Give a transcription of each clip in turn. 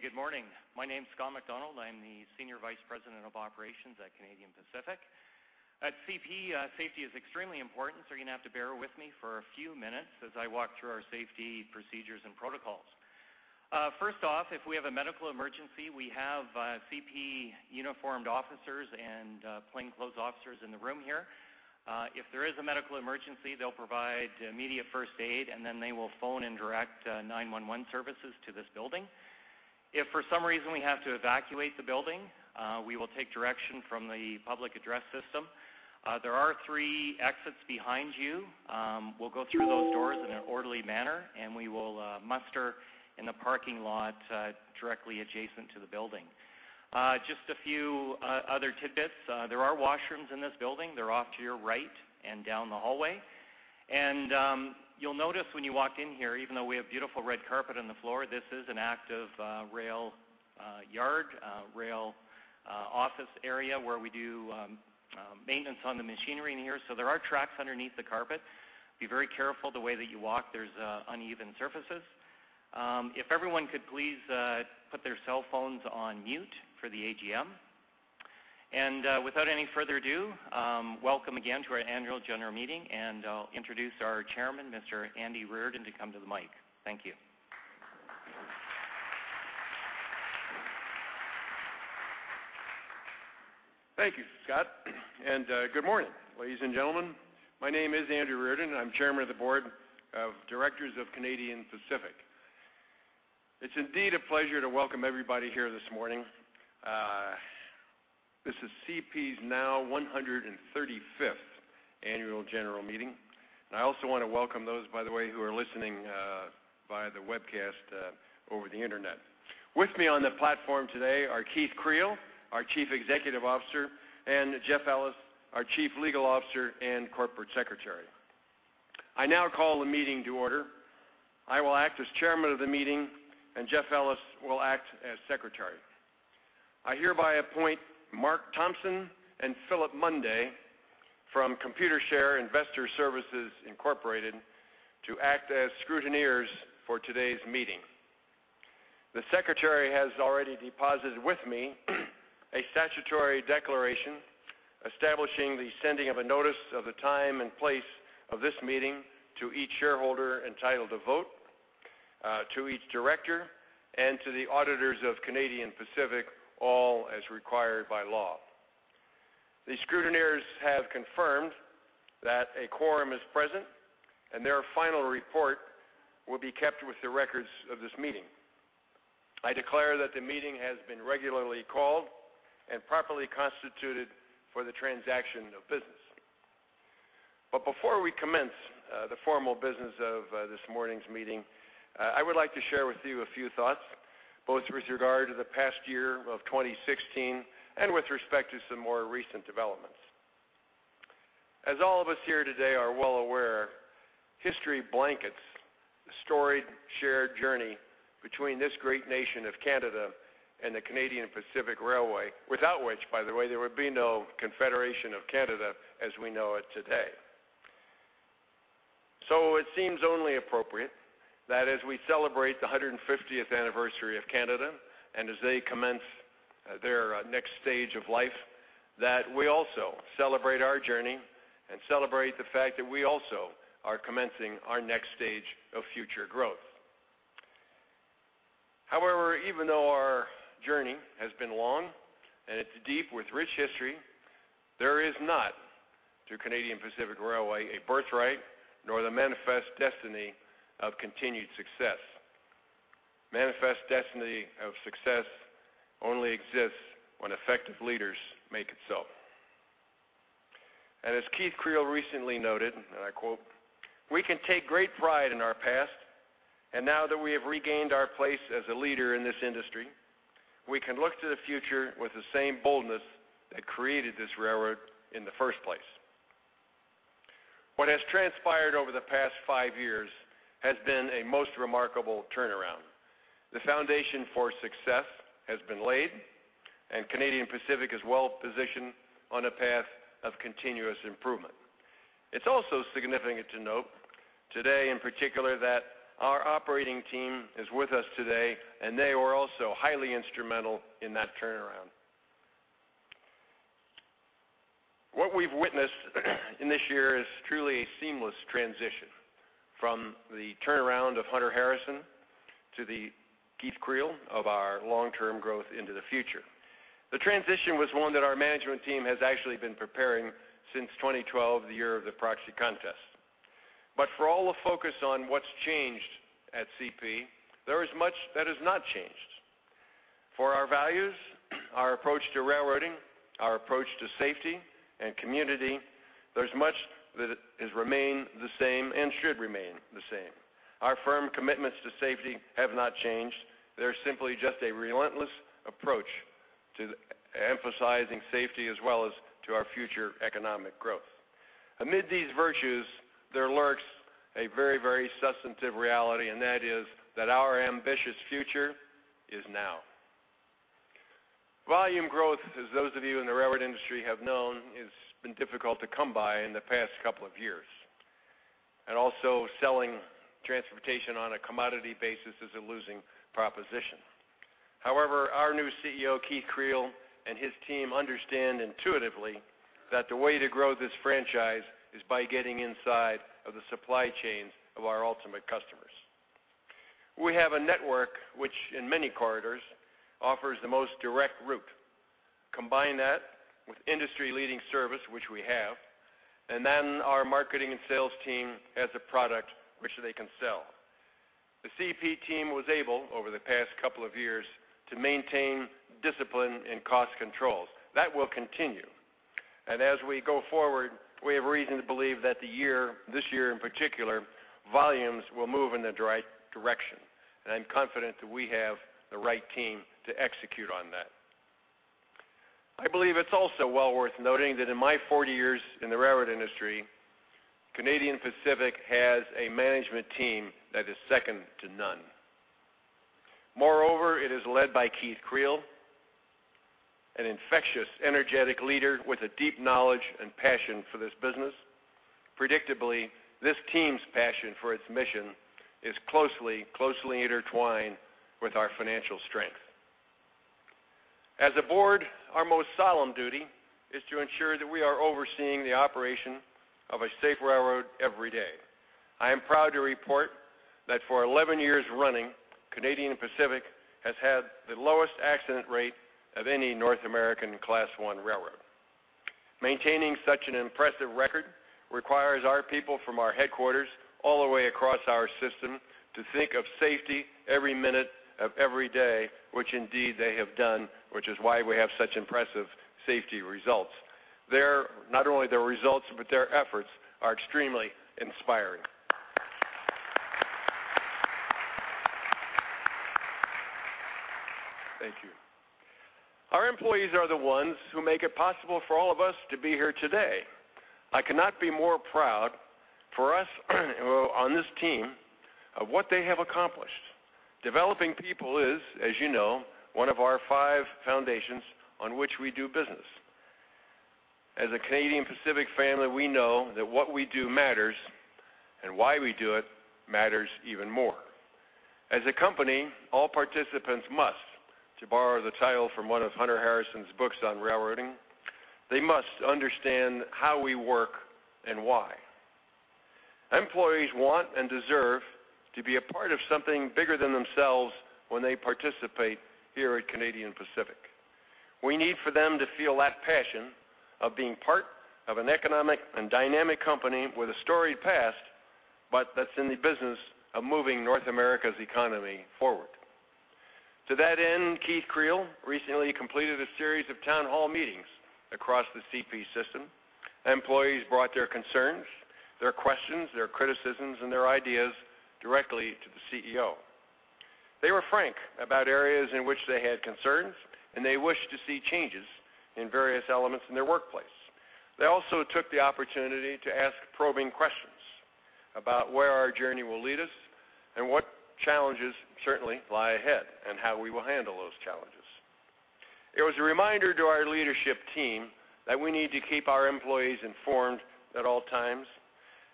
Hey, good morning. My name is Scott MacDonald. I'm the Senior Vice President of Operations at Canadian Pacific. At CP, safety is extremely important, so you're gonna have to bear with me for a few minutes as I walk through our safety procedures and protocols. First off, if we have a medical emergency, we have CP uniformed officers and plainclothes officers in the room here. If there is a medical emergency, they'll provide immediate first aid, and then they will phone and direct 911 services to this building. If for some reason we have to evacuate the building, we will take direction from the public address system. There are three exits behind you. We'll go through those doors in an orderly manner, and we will muster in the parking lot directly adjacent to the building. Just a few other tidbits. There are washrooms in this building. They're off to your right and down the hallway. You'll notice when you walk in here, even though we have beautiful red carpet on the floor, this is an active rail yard rail office area where we do maintenance on the machinery in here, so there are tracks underneath the carpet. Be very careful the way that you walk. There's uneven surfaces. If everyone could please put their cell phones on mute for the AGM. Without any further ado, welcome again to our annual general meeting, and I'll introduce our chairman, Mr. Andy Reardon, to come to the mic. Thank you. Thank you, Scott, and good morning, ladies and gentlemen. My name is Andrew Reardon, and I'm Chairman of the Board of Directors of Canadian Pacific. It's indeed a pleasure to welcome everybody here this morning. This is CP's now 135th annual general meeting. I also wanna welcome those, by the way, who are listening via the webcast over the internet. With me on the platform today are Keith Creel, our Chief Executive Officer, and Jeff Ellis, our Chief Legal Officer and Corporate Secretary. I now call the meeting to order. I will act as chairman of the meeting, and Jeff Ellis will act as secretary. I hereby appoint Mark Thompson and Philip Munday from Computershare Investor Services Incorporated, to act as scrutineers for today's meeting. The secretary has already deposited with me a statutory declaration establishing the sending of a notice of the time and place of this meeting to each shareholder entitled to vote, to each Director, and to the auditors of Canadian Pacific, all as required by law. The scrutineers have confirmed that a quorum is present, and their final report will be kept with the records of this meeting. I declare that the meeting has been regularly called and properly constituted for the transaction of business. But before we commence, the formal business of this morning's meeting, I would like to share with you a few thoughts, both with regard to the past year of 2016 and with respect to some more recent developments. As all of us here today are well aware, history blankets the storied, shared journey between this great nation of Canada and the Canadian Pacific Railway, without which, by the way, there would be no Confederation of Canada as we know it today. So it seems only appropriate that as we celebrate the 150th anniversary of Canada, and as they commence their next stage of life, that we also celebrate our journey and celebrate the fact that we also are commencing our next stage of future growth. However, even though our journey has been long and it's deep with rich history, there is not, to Canadian Pacific Railway, a birthright nor the manifest destiny of continued success. Manifest destiny of success only exists when effective leaders make it so. As Keith Creel recently noted, and I quote, "We can take great pride in our past, and now that we have regained our place as a leader in this industry, we can look to the future with the same boldness that created this railroad in the first place." What has transpired over the past five years has been a most remarkable turnaround. The foundation for success has been laid, and Canadian Pacific is well positioned on a path of continuous improvement. It's also significant to note, today in particular, that our operating team is with us today, and they were also highly instrumental in that turnaround. What we've witnessed in this year is truly a seamless transition from the turnaround of Hunter Harrison to the Keith Creel of our long-term growth into the future. The transition was one that our management team has actually been preparing since 2012, the year of the proxy contest. But for all the focus on what's changed at CP, there is much that has not changed. For our values, our approach to railroading, our approach to safety and community, there's much that has remained the same and should remain the same. Our firm commitments to safety have not changed. They're simply just a relentless approach to emphasizing safety as well as to our future economic growth. Amid these virtues, there lurks a very, very substantive reality, and that is that our ambitious future is now.... Volume growth, as those of you in the railroad industry have known, has been difficult to come by in the past couple of years. And also selling transportation on a commodity basis is a losing proposition. However, our new CEO, Keith Creel, and his team understand intuitively that the way to grow this franchise is by getting inside of the supply chains of our ultimate customers. We have a network which, in many corridors, offers the most direct route. Combine that with industry-leading service, which we have, and then our marketing and sales team has a product which they can sell. The CP team was able, over the past couple of years, to maintain discipline and cost controls. That will continue. And as we go forward, we have reason to believe that the year, this year in particular, volumes will move in the right direction, and I'm confident that we have the right team to execute on that. I believe it's also well worth noting that in my 40 years in the railroad industry, Canadian Pacific has a management team that is second to none. Moreover, it is led by Keith Creel, an infectious, energetic leader with a deep knowledge and passion for this business. Predictably, this team's passion for its mission is closely, closely intertwined with our financial strength. As a board, our most solemn duty is to ensure that we are overseeing the operation of a safe railroad every day. I am proud to report that for 11 years running, Canadian Pacific has had the lowest accident rate of any North American Class I railroad. Maintaining such an impressive record requires our people from our headquarters all the way across our system, to think of safety every minute of every day, which indeed they have done, which is why we have such impressive safety results. Their, not only their results, but their efforts are extremely inspiring. Thank you. Our employees are the ones who make it possible for all of us to be here today. I cannot be more proud for us on this team of what they have accomplished. Developing people is, as you know, one of our five foundations on which we do business. As a Canadian Pacific family, we know that what we do matters and why we do it matters even more. As a company, all participants must, to borrow the title from one of Hunter Harrison's books on railroading, they must understand how we work and why. Employees want and deserve to be a part of something bigger than themselves when they participate here at Canadian Pacific. We need for them to feel that passion of being part of an economic and dynamic company with a storied past, but that's in the business of moving North America's economy forward. To that end, Keith Creel recently completed a series of town hall meetings across the CP system. Employees brought their concerns, their questions, their criticisms, and their ideas directly to the CEO. They were frank about areas in which they had concerns, and they wished to see changes in various elements in their workplace. They also took the opportunity to ask probing questions about where our journey will lead us and what challenges certainly lie ahead, and how we will handle those challenges. It was a reminder to our leadership team that we need to keep our employees informed at all times,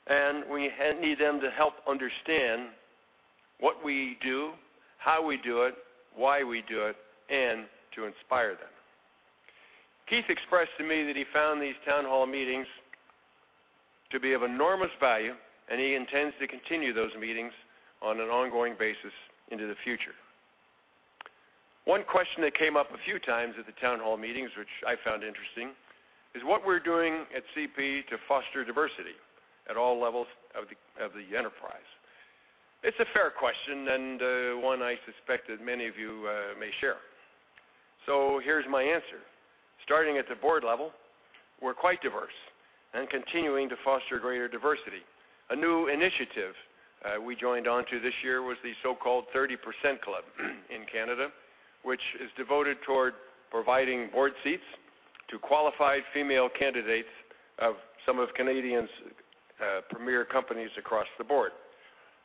and we need them to help understand what we do, how we do it, why we do it, and to inspire them. Keith expressed to me that he found these town hall meetings to be of enormous value, and he intends to continue those meetings on an ongoing basis into the future. One question that came up a few times at the town hall meetings, which I found interesting, is what we're doing at CP to foster diversity at all levels of the enterprise. It's a fair question, and one I suspect that many of you may share. So here's my answer. Starting at the board level, we're quite diverse and continuing to foster greater diversity. A new initiative we joined on to this year was the so-called 30% Club in Canada, which is devoted toward providing board seats to qualified female candidates of some of Canadians' premier companies across the board.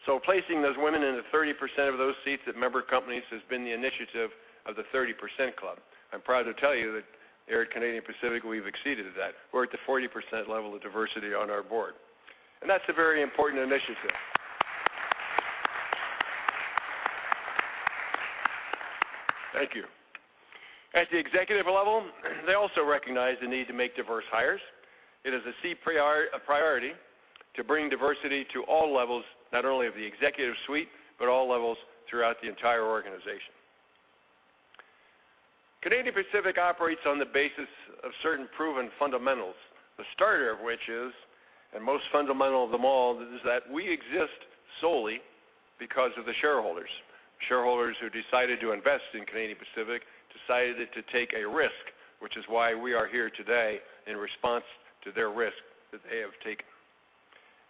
So placing those women in the 30% of those seats at member companies has been the initiative of the 30% Club. I'm proud to tell you that here at Canadian Pacific, we've exceeded that. We're at the 40% level of diversity on our board, and that's a very important initiative. Thank you. At the executive level, they also recognize the need to make diverse hires. It is a CP priority, a priority to bring diversity to all levels, not only of the executive suite, but all levels throughout the entire organization. Canadian Pacific operates on the basis of certain proven fundamentals, the starter of which is, and most fundamental of them all, is that we exist solely because of the shareholders. Shareholders who decided to invest in Canadian Pacific, decided to take a risk, which is why we are here today in response to their risk that they have taken.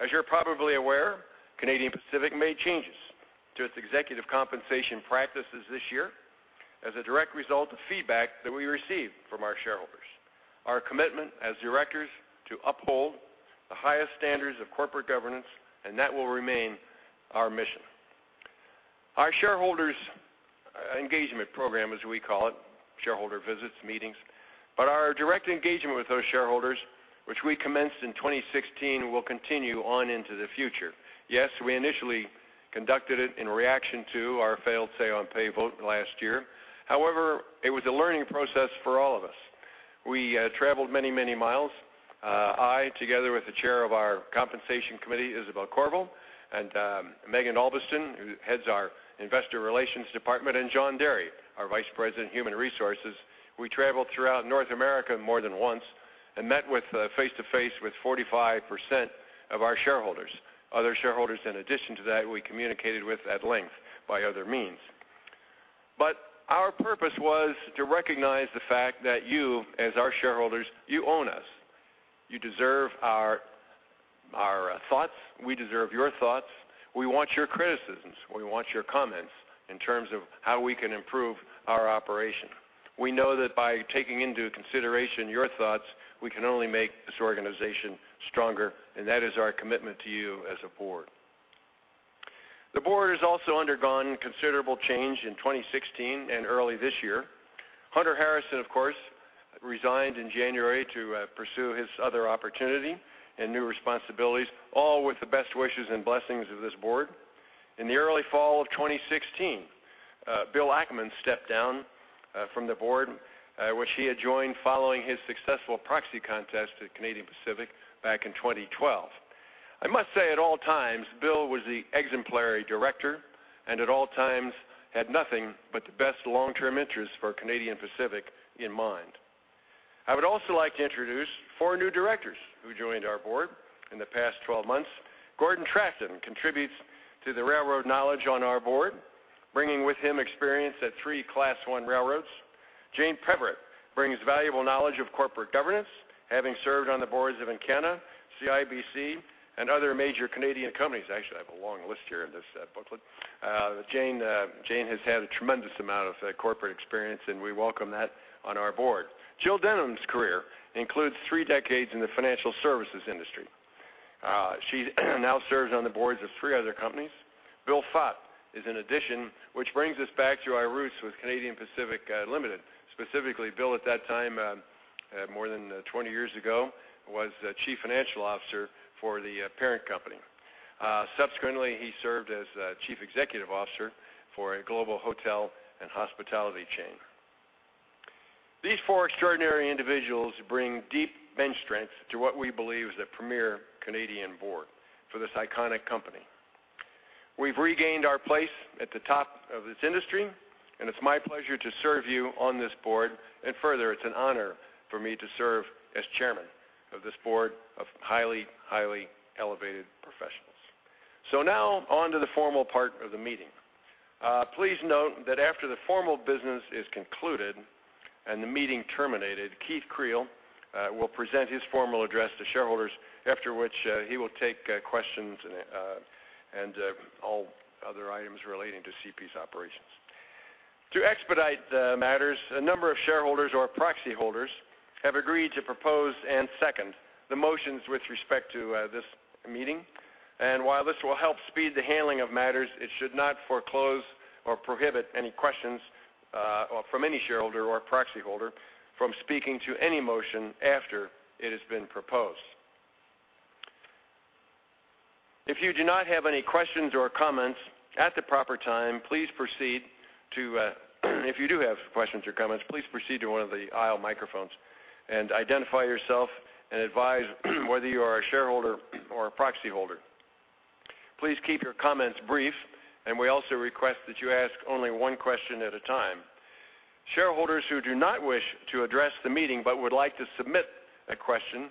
As you're probably aware, Canadian Pacific made changes to its executive compensation practices this year as a direct result of feedback that we received from our shareholders. Our commitment as Directors to uphold the highest standards of corporate governance, and that will remain our mission.... Our shareholders' engagement program, as we call it, shareholder visits, meetings. But our direct engagement with those shareholders, which we commenced in 2016, will continue on into the future. Yes, we initially conducted it in reaction to our failed say-on-pay vote last year. However, it was a learning process for all of us. We traveled many, many miles. I, together with the Chair of our Compensation Committee, Isabelle Courville, and Maeghan Albiston, who heads our Investor Relations department, and John Derry, our Vice President, Human Resources. We traveled throughout North America more than once and met with face-to-face with 45% of our shareholders. Other shareholders, in addition to that, we communicated with at length by other means. Our purpose was to recognize the fact that you, as our shareholders, you own us. You deserve our thoughts. We deserve your thoughts. We want your criticisms. We want your comments in terms of how we can improve our operation. We know that by taking into consideration your thoughts, we can only make this organization stronger, and that is our commitment to you as a board. The board has also undergone considerable change in 2016 and early this year. Hunter Harrison, of course, resigned in January to pursue his other opportunity and new responsibilities, all with the best wishes and blessings of this board. In the early fall of 2016, Bill Ackman stepped down from the board, which he had joined following his successful proxy contest at Canadian Pacific back in 2012. I must say, at all times, Bill was the exemplary Director and at all times had nothing but the best long-term interests for Canadian Pacific in mind. I would also like to introduce four new Directors who joined our board in the past 12 months. Gordon Trafton contributes to the railroad knowledge on our board, bringing with him experience at three Class I railroads. Jane Peverett brings valuable knowledge of corporate governance, having served on the boards of Encana, CIBC, and other major Canadian companies. Actually, I have a long list here in this booklet. Jane has had a tremendous amount of corporate experience, and we welcome that on our board. Jill Denham's career includes three decades in the financial services industry. She now serves on the boards of three other companies. Bill Fatt is an addition, which brings us back to our roots with Canadian Pacific Limited. Specifically, Bill, at that time, more than 20 years ago, was the Chief Financial Officer for the parent company. Subsequently, he served as Chief Executive Officer for a global hotel and hospitality chain. These four extraordinary individuals bring deep bench strength to what we believe is a premier Canadian board for this iconic company. We've regained our place at the top of this industry, and it's my pleasure to serve you on this board. And further, it's an honor for me to serve as chairman of this board of highly, highly elevated professionals. So now on to the formal part of the meeting. Please note that after the formal business is concluded and the meeting terminated, Keith Creel will present his formal address to shareholders, after which, he will take questions and all other items relating to CP's operations. To expedite the matters, a number of shareholders or proxy holders have agreed to propose and second the motions with respect to this meeting. And while this will help speed the handling of matters, it should not foreclose or prohibit any questions or from any shareholder or proxy holder from speaking to any motion after it has been proposed. If you do not have any questions or comments, at the proper time, please proceed to if you do have questions or comments, please proceed to one of the aisle microphones and identify yourself and advise whether you are a shareholder or a proxy holder. Please keep your comments brief, and we also request that you ask only one question at a time. Shareholders who do not wish to address the meeting but would like to submit a question,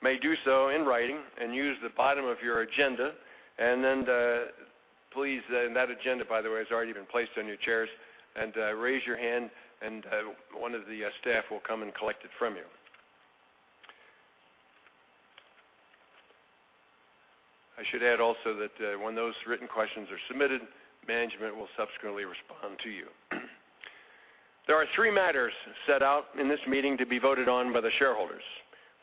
may do so in writing and use the bottom of your agenda. And then, please, and that agenda, by the way, has already been placed on your chairs, and raise your hand, and one of the staff will come and collect it from you. I should add also that when those written questions are submitted, management will subsequently respond to you. There are three matters set out in this meeting to be voted on by the shareholders.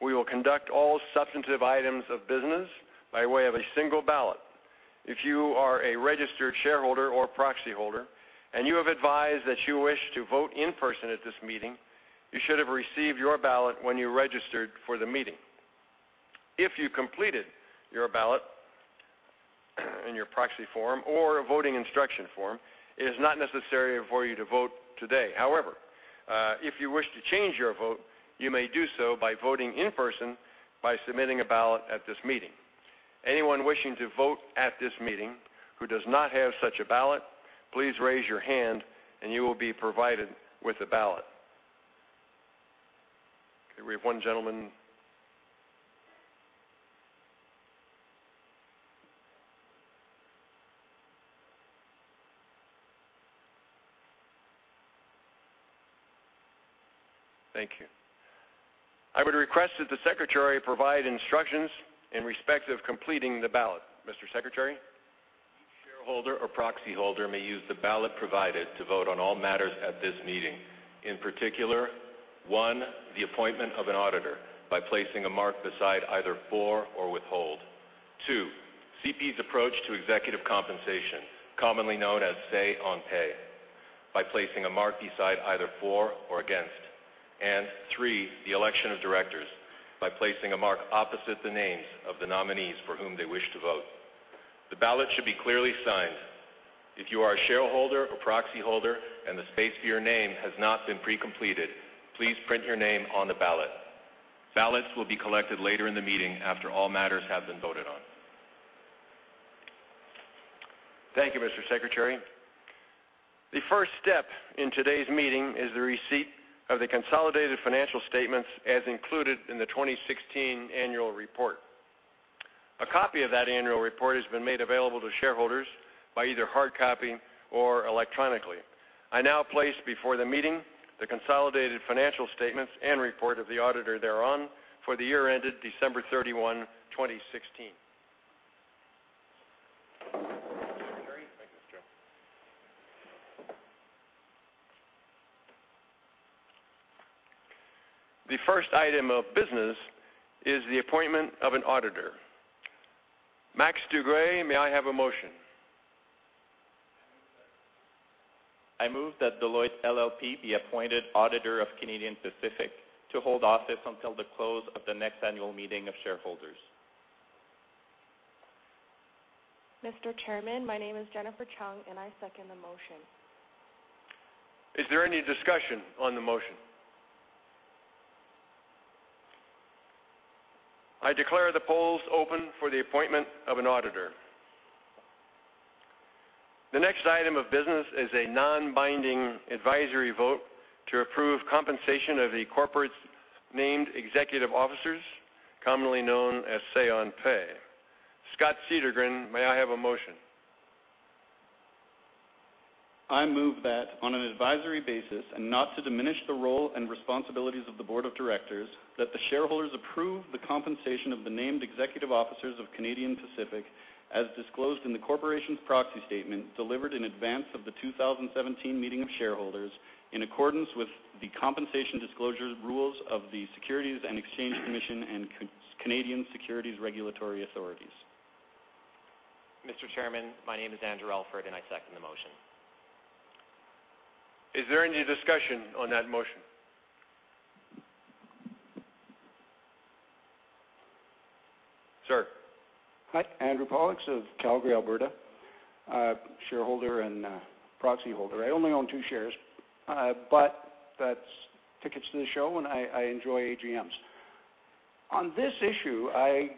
We will conduct all substantive items of business by way of a single ballot. If you are a registered shareholder or proxy holder, and you have advised that you wish to vote in person at this meeting, you should have received your ballot when you registered for the meeting. If you completed your ballot, and your proxy form or a voting instruction form, it is not necessary for you to vote today. However, if you wish to change your vote, you may do so by voting in person, by submitting a ballot at this meeting. Anyone wishing to vote at this meeting who does not have such a ballot, please raise your hand, and you will be provided with a ballot. Okay, we have one gentleman. Thank you. I would request that the secretary provide instructions in respect of completing the ballot. Mr. Secretary? Shareholder or proxy holder, the ballot provided to vote on all matters at this meeting. In particular, one, the appointment of an auditor by placing a mark beside either for or withhold. Two, CP's approach to executive compensation, commonly known as Say-on-Pay, by placing a mark beside either for or against. And three, the Election of Directors, by placing a mark opposite the names of the nominees for whom they wish to vote. The ballot should be clearly signed. If you are a shareholder or proxy holder, and the space for your name has not been pre-completed, please print your name on the ballot. Ballots will be collected later in the meeting after all matters have been voted on. Thank you, Mr. Secretary. The first step in today's meeting is the receipt of the consolidated financial statements as included in the 2016 annual report. A copy of that annual report has been made available to shareholders by either hard copy or electronically. I now place before the meeting the consolidated financial statements and report of the auditor thereon for the year ended December 31, 2016. The first item of business is the appointment of an auditor. Max Duguay, may I have a motion? I move that Deloitte LLP be appointed auditor of Canadian Pacific to hold office until the close of the next annual meeting of shareholders. Mr. Chairman, my name is Jennifer Chung, and I second the motion. Is there any discussion on the motion? I declare the polls open for the appointment of an auditor. The next item of business is a non-binding advisory vote to approve compensation of the corporation's named executive officers, commonly known as Say-on-Pay. Scott Cedergren, may I have a motion? I move that on an advisory basis and not to diminish the role and responsibilities of the Board of Directors, that the shareholders approve the compensation of the named executive officers of Canadian Pacific, as disclosed in the corporation's proxy statement, delivered in advance of the 2017 meeting of shareholders, in accordance with the compensation disclosure rules of the Securities and Exchange Commission and Canadian Securities Regulatory Authorities. Mr. Chairman, my name is Andrew Alford, and I second the motion. Is there any discussion on that motion? Sir. Hi, Andrew Polos of Calgary, Alberta, shareholder and proxy holder. I only own two shares, but that's tickets to the show, and I enjoy AGMs. On this issue, I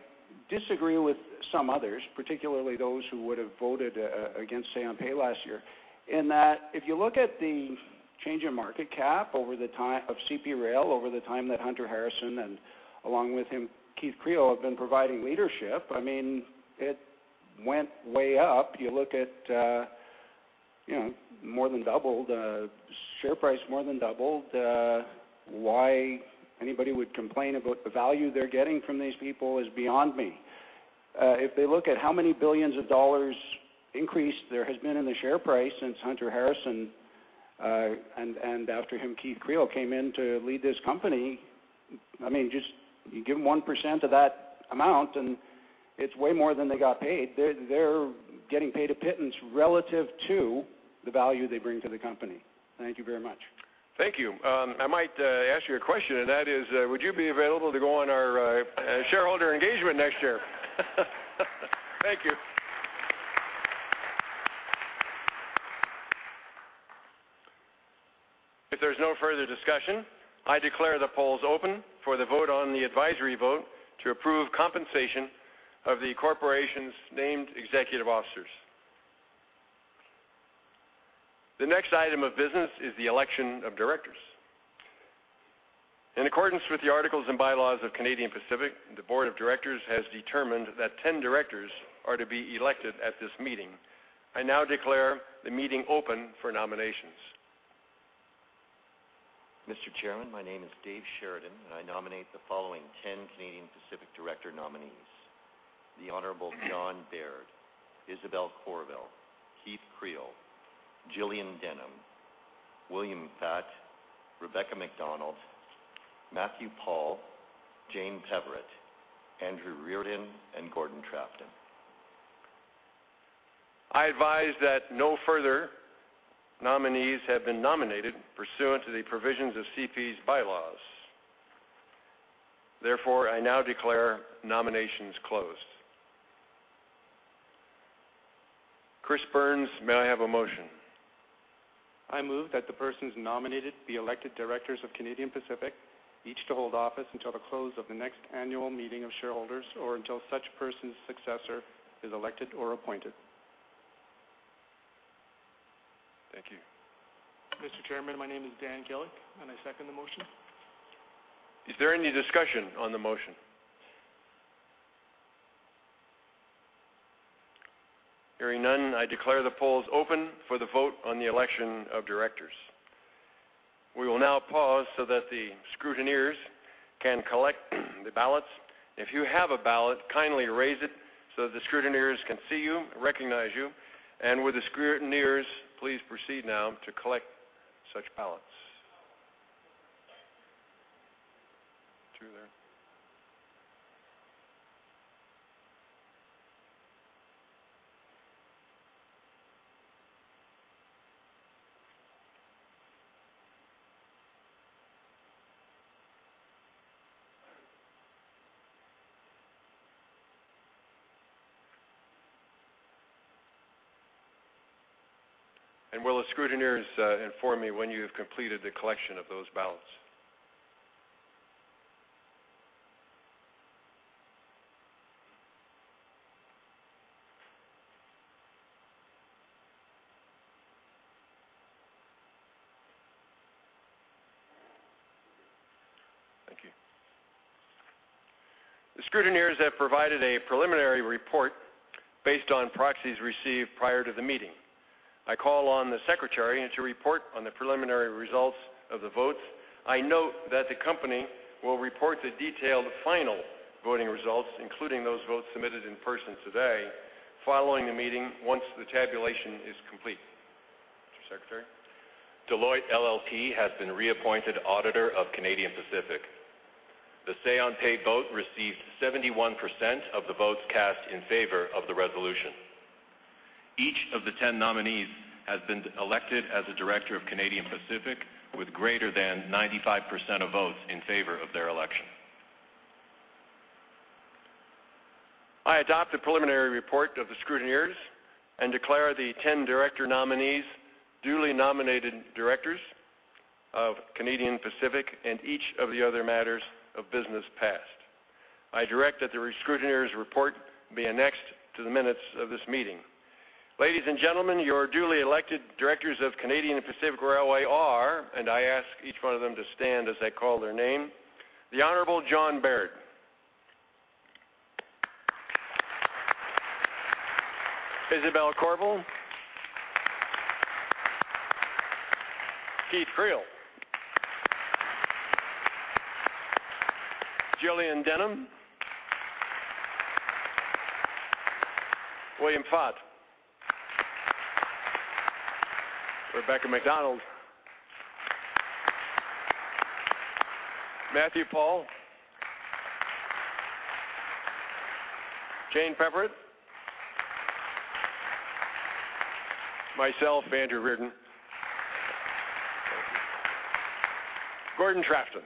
disagree with some others, particularly those who would have voted against Say-on-Pay last year. In that, if you look at the change in market cap over the time of CP Rail, over the time that Hunter Harrison and along with him, Keith Creel, have been providing leadership, I mean, it went way up. You look at, you know, more than doubled, share price more than doubled. Why anybody would complain about the value they're getting from these people is beyond me. If they look at how many billions of dollars increase there has been in the share price since Hunter Harrison, and, and after him, Keith Creel, came in to lead this company, I mean, just you give them 1% of that amount, and it's way more than they got paid. They're, they're getting paid a pittance relative to the value they bring to the company. Thank you very much. Thank you. I might ask you a question, and that is, would you be available to go on our shareholder engagement next year? Thank you. If there's no further discussion, I declare the polls open for the vote on the advisory vote to approve compensation of the corporation's named executive officers. The next item of business is the Election of Directors. In accordance with the articles and bylaws of Canadian Pacific, the board of Directors has determined that 10 Directors are to be elected at this meeting. I now declare the meeting open for nominations. Mr. Chairman, my name is Dave Sheridan, and I nominate the following 10 Canadian Pacific Director nominees: the Honorable John Baird, Isabelle Courville, Keith Creel, Jill Denham, William Fatt, Rebecca MacDonald, Matthew Paull, Jane Peverett, Andrew Reardon, and Gordon Trafton. I advise that no further nominees have been nominated pursuant to the provisions of CP's bylaws. Therefore, I now declare nominations closed. Chris Burns, may I have a motion? I move that the persons nominated be elected Directors of Canadian Pacific, each to hold office until the close of the next annual meeting of shareholders or until such person's successor is elected or appointed. Thank you. Mr. Chairman, my name is Dan Gillick, and I second the motion. Is there any discussion on the motion? Hearing none, I declare the polls open for the vote on the Election of Directors. We will now pause so that the scrutineers can collect the ballots. If you have a ballot, kindly raise it so that the scrutineers can see you and recognize you. And will the scrutineers please proceed now to collect such ballots? Two there. And will the scrutineers inform me when you have completed the collection of those ballots? Thank you. The scrutineers have provided a preliminary report based on proxies received prior to the meeting. I call on the secretary to report on the preliminary results of the votes. I note that the company will report the detailed final voting results, including those votes submitted in person today, following the meeting once the tabulation is complete. Mr. Secretary? Deloitte LLP has been reappointed auditor of Canadian Pacific. The Say-on-Pay vote received 71% of the votes cast in favor of the resolution. Each of the 10 nominees has been elected as a Director of Canadian Pacific, with greater than 95% of votes in favor of their election. I adopt the preliminary report of the scrutineers and declare the 10 Director nominees duly nominated Directors of Canadian Pacific, and each of the other matters of business passed. I direct that the scrutineers' report be annexed to the minutes of this meeting. Ladies and gentlemen, your duly elected Directors of Canadian Pacific Railway are, and I ask each one of them to stand as I call their name: The Honorable John Baird. Isabelle Courville. Keith Creel. Jill Denham. William Fatt. Rebecca MacDonald. Matthew Paull. Jane Peverett. Myself, Andrew Reardon. Gordon Trafton.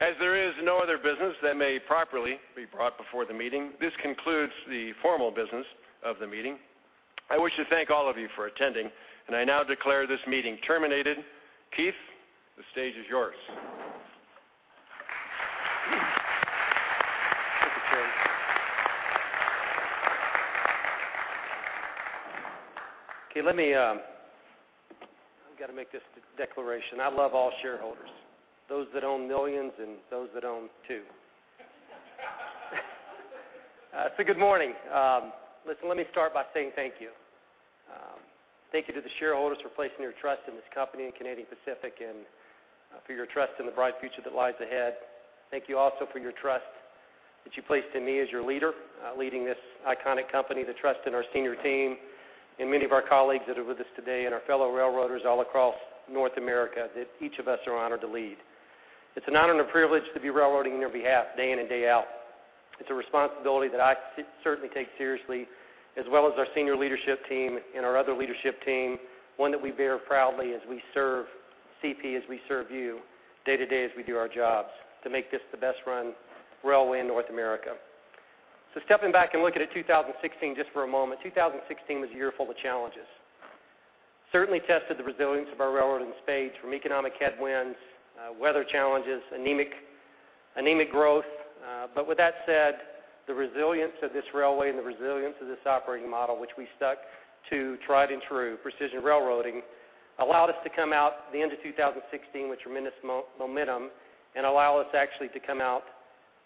As there is no other business that may properly be brought before the meeting, this concludes the formal business of the meeting. I wish to thank all of you for attending, and I now declare this meeting terminated. Keith, the stage is yours. Okay, let me, I've got to make this declaration: I love all shareholders, those that own millions and those that own 2. So good morning. Listen, let me start by saying thank you. Thank you to the shareholders for placing your trust in this company, in Canadian Pacific, and, for your trust in the bright future that lies ahead. Thank you also for your trust that you placed in me as your leader, leading this iconic company, the trust in our senior team, and many of our colleagues that are with us today, and our fellow railroaders all across North America, that each of us are honored to lead. It's an honor and a privilege to be railroading on your behalf day in and day out. It's a responsibility that I certainly take seriously, as well as our senior leadership team and our other leadership team, one that we bear proudly as we serve CP, as we serve you day to day, as we do our jobs, to make this the best-run railway in North America. So stepping back and looking at 2016 just for a moment, 2016 was a year full of challenges. Certainly tested the resilience of our railroad in spades from economic headwinds, weather challenges, anemic growth. But with that said, the resilience of this railway and the resilience of this operating model, which we stuck to, tried and true, precision railroading, allowed us to come out the end of 2016 with tremendous momentum and allow us actually to come out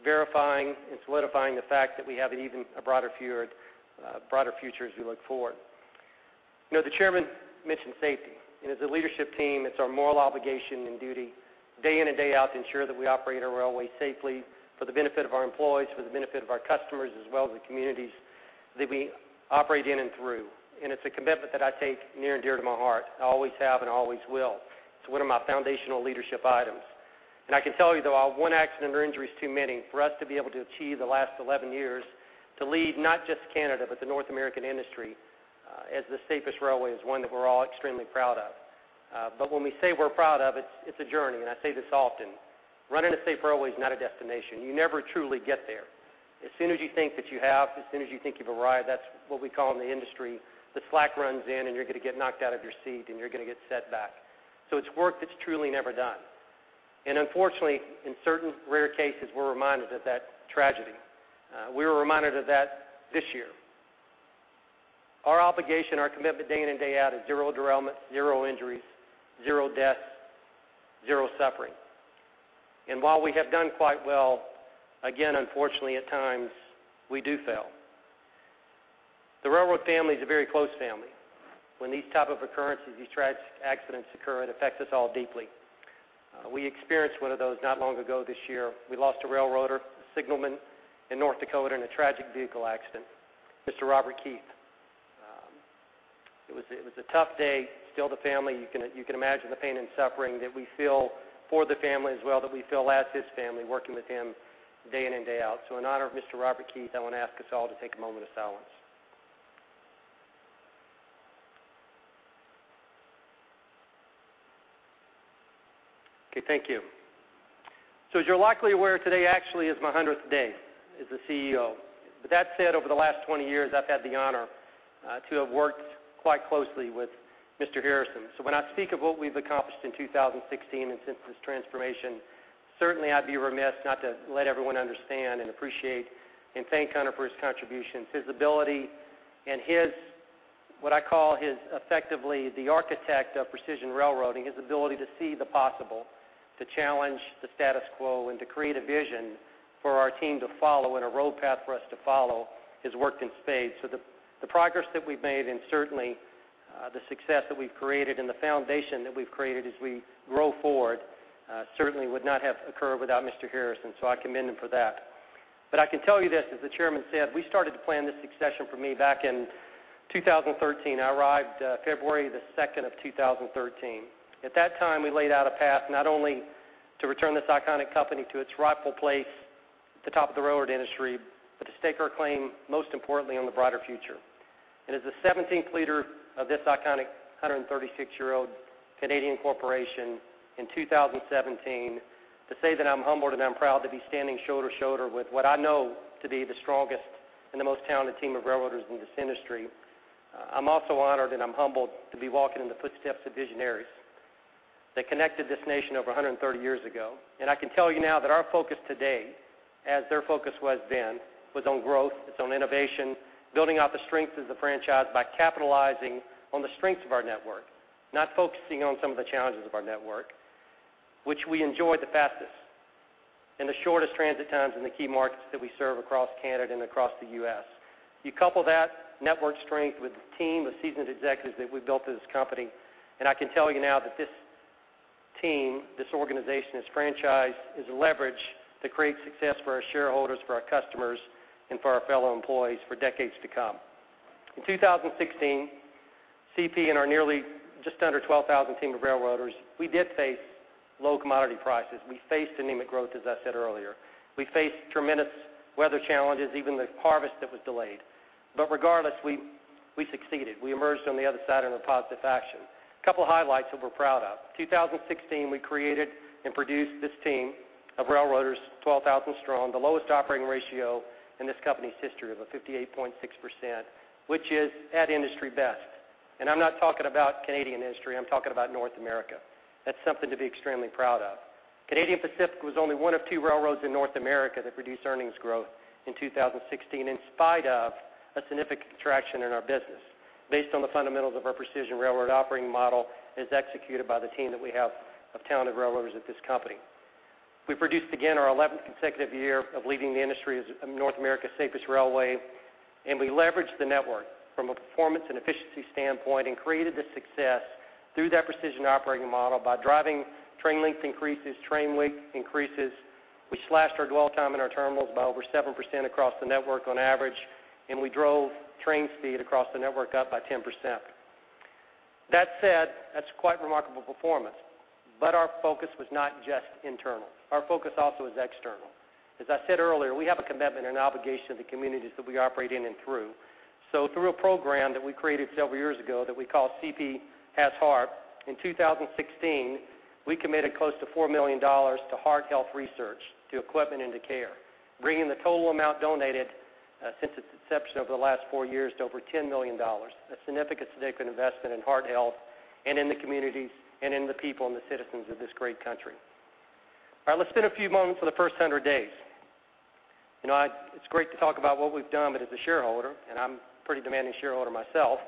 verifying and solidifying the fact that we have an even broader future as we look forward. You know, the chairman mentioned safety, and as a leadership team, it's our moral obligation and duty day in and day out to ensure that we operate our railway safely for the benefit of our employees, for the benefit of our customers, as well as the communities that we operate in and through. And it's a commitment that I take near and dear to my heart. I always have and always will. It's one of my foundational leadership items. I can tell you, though, while one accident or injury is too many, for us to be able to achieve the last 11 years, to lead not just Canada, but the North American industry, as the safest railway, is one that we're all extremely proud of. But when we say we're proud of it, it's a journey, and I say this often: Running a safe railway is not a destination. You never truly get there. As soon as you think that you have, as soon as you think you've arrived, that's what we call in the industry, the slack runs in, and you're gonna get knocked out of your seat, and you're gonna get set back. So it's work that's truly never done. And unfortunately, in certain rare cases, we're reminded of that tragedy. We were reminded of that this year. Our obligation, our commitment day in and day out, is zero derailment, zero injuries, zero deaths, zero suffering... And while we have done quite well, again, unfortunately, at times, we do fail. The railroad family is a very close family. When these type of occurrences, these tragic accidents occur, it affects us all deeply. We experienced one of those not long ago this year. We lost a railroader, a signalman in North Dakota in a tragic vehicle accident, Mr. Robert Keith. It was, it was a tough day. Still, the family, you can, you can imagine the pain and suffering that we feel for the family as well, that we feel as his family, working with him day in and day out. So in honor of Mr. Robert Keith, I want to ask us all to take a moment of silence. Okay, thank you. So as you're likely aware, today actually is my 100th day as the CEO. But that said, over the last 20 years, I've had the honor to have worked quite closely with Mr. Harrison. So when I speak of what we've accomplished in 2016 and since this transformation, certainly I'd be remiss not to let everyone understand and appreciate and thank Hunter for his contributions, his ability, and his, what I call his, effectively, the architect of precision railroading, his ability to see the possible, to challenge the status quo, and to create a vision for our team to follow and a road path for us to follow, has worked in spades. So the progress that we've made, and certainly the success that we've created and the foundation that we've created as we grow forward, certainly would not have occurred without Mr. Harrison, so I commend him for that. But I can tell you this, as the chairman said, we started to plan this succession for me back in 2013. I arrived, February 2, 2013. At that time, we laid out a path not only to return this iconic company to its rightful place at the top of the railroad industry, but to stake our claim, most importantly, on the brighter future. And as the 17th leader of this iconic 136-year-old Canadian corporation in 2017, to say that I'm humbled and I'm proud to be standing shoulder to shoulder with what I know to be the strongest and the most talented team of railroaders in this industry. I'm also honored, and I'm humbled to be walking in the footsteps of visionaries that connected this nation over 130 years ago. I can tell you now that our focus today, as their focus was then, was on growth, it's on innovation, building out the strength of the franchise by capitalizing on the strengths of our network, not focusing on some of the challenges of our network, which we enjoy the fastest and the shortest transit times in the key markets that we serve across Canada and across the U.S. You couple that network strength with the team of seasoned executives that we've built in this company, and I can tell you now that this team, this organization, this franchise, is a leverage to create success for our shareholders, for our customers, and for our fellow employees for decades to come. In 2016, CP and our nearly just under 12,000 team of railroaders, we did face low commodity prices. We faced anemic growth, as I said earlier. We faced tremendous weather challenges, even the harvest that was delayed. But regardless, we, we succeeded. We emerged on the other side in a positive fashion. A couple highlights that we're proud of: 2016, we created and produced this team of railroaders, 12,000 strong, the lowest operating ratio in this company's history of a 58.6%, which is at industry best. I'm not talking about Canadian industry, I'm talking about North America. That's something to be extremely proud of. Canadian Pacific was only one of two railroads in North America that produced earnings growth in 2016, in spite of a significant contraction in our business, based on the fundamentals of our precision railroad operating model, as executed by the team that we have of talented railroaders at this company. We produced, again, our 11th consecutive year of leading the industry as North America's safest railway, and we leveraged the network from a performance and efficiency standpoint and created this success through that precision operating model by driving train length increases, train weight increases. We slashed our dwell time in our terminals by over 7% across the network on average, and we drove train speed across the network up by 10%. That said, that's quite remarkable performance, but our focus was not just internal. Our focus also is external. As I said earlier, we have a commitment and an obligation to the communities that we operate in and through. So through a program that we created several years ago that we call CP Has Heart, in 2016, we committed close to 4 million dollars to heart health research, to equipment, and to care, bringing the total amount donated since its inception over the last four years to over 10 million dollars, a significant investment in heart health and in the communities and in the people and the citizens of this great country. All right, let's spend a few moments on the first 100 days. You know, it's great to talk about what we've done, but as a shareholder, and I'm a pretty demanding shareholder myself,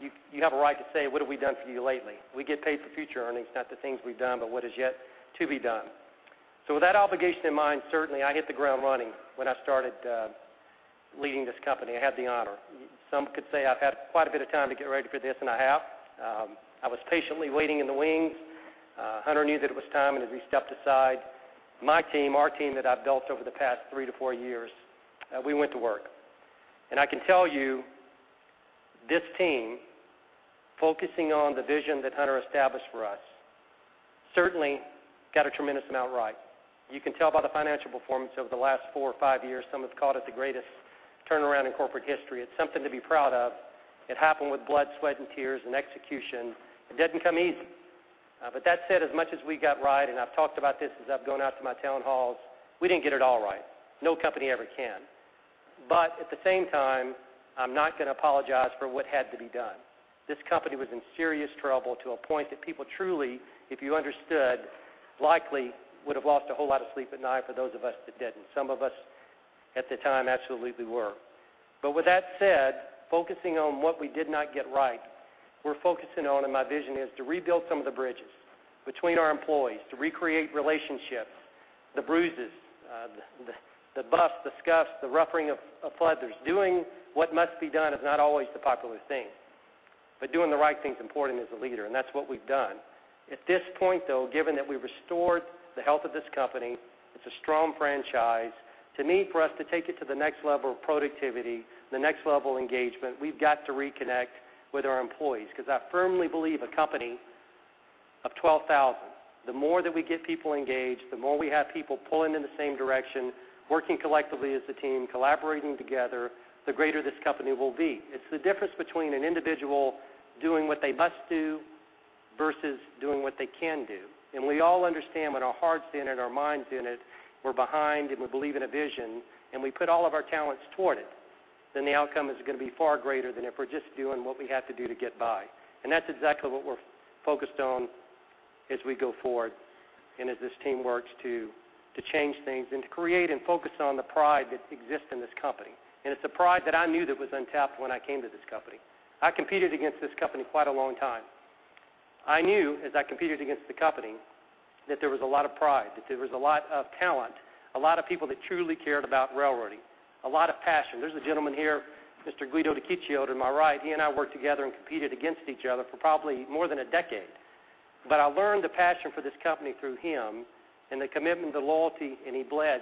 you, you have a right to say, "What have we done for you lately?" We get paid for future earnings, not the things we've done, but what is yet to be done. So with that obligation in mind, certainly, I hit the ground running when I started leading this company. I had the honor. Some could say I've had quite a bit of time to get ready for this, and I have. I was patiently waiting in the wings. Hunter knew that it was time, and as he stepped aside, my team, our team that I've built over the past three to four years, we went to work. And I can tell you, this team, focusing on the vision that Hunter established for us, certainly got a tremendous amount right. You can tell by the financial performance over the last four or five years, some have called it the greatest turnaround in corporate history. It's something to be proud of. It happened with blood, sweat, and tears and execution. It doesn't come easy. But that said, as much as we got right, and I've talked about this as I've gone out to my town halls, we didn't get it all right. No company ever can. But at the same time, I'm not gonna apologize for what had to be done. This company was in serious trouble to a point that people truly, if you understood, likely would have lost a whole lot of sleep at night for those of us that didn't. Some of us-... At the time, absolutely we were. But with that said, focusing on what we did not get right, we're focusing on, and my vision is, to rebuild some of the bridges between our employees, to recreate relationships, the bruises, the buffs, the scuffs, the ruffling of feathers. Doing what must be done is not always the popular thing, but doing the right thing is important as a leader, and that's what we've done. At this point, though, given that we restored the health of this company, it's a strong franchise, to me, for us to take it to the next level of productivity, the next level of engagement, we've got to reconnect with our employees, 'cause I firmly believe a company of 12,000, the more that we get people engaged, the more we have people pulling in the same direction, working collectively as a team, collaborating together, the greater this company will be. It's the difference between an individual doing what they must do versus doing what they can do. We all understand when our heart's in it, our mind's in it, we're behind, and we believe in a vision, and we put all of our talents toward it, then the outcome is gonna be far greater than if we're just doing what we have to do to get by. And that's exactly what we're focused on as we go forward and as this team works to change things and to create and focus on the pride that exists in this company. And it's the pride that I knew that was untapped when I came to this company. I competed against this company quite a long time. I knew as I competed against the company, that there was a lot of pride, that there was a lot of talent, a lot of people that truly cared about railroading, a lot of passion. There's a gentleman here, Mr. Guido De Ciccio to my right, he and I worked together and competed against each other for probably more than a decade. But I learned the passion for this company through him and the commitment, the loyalty, and he bled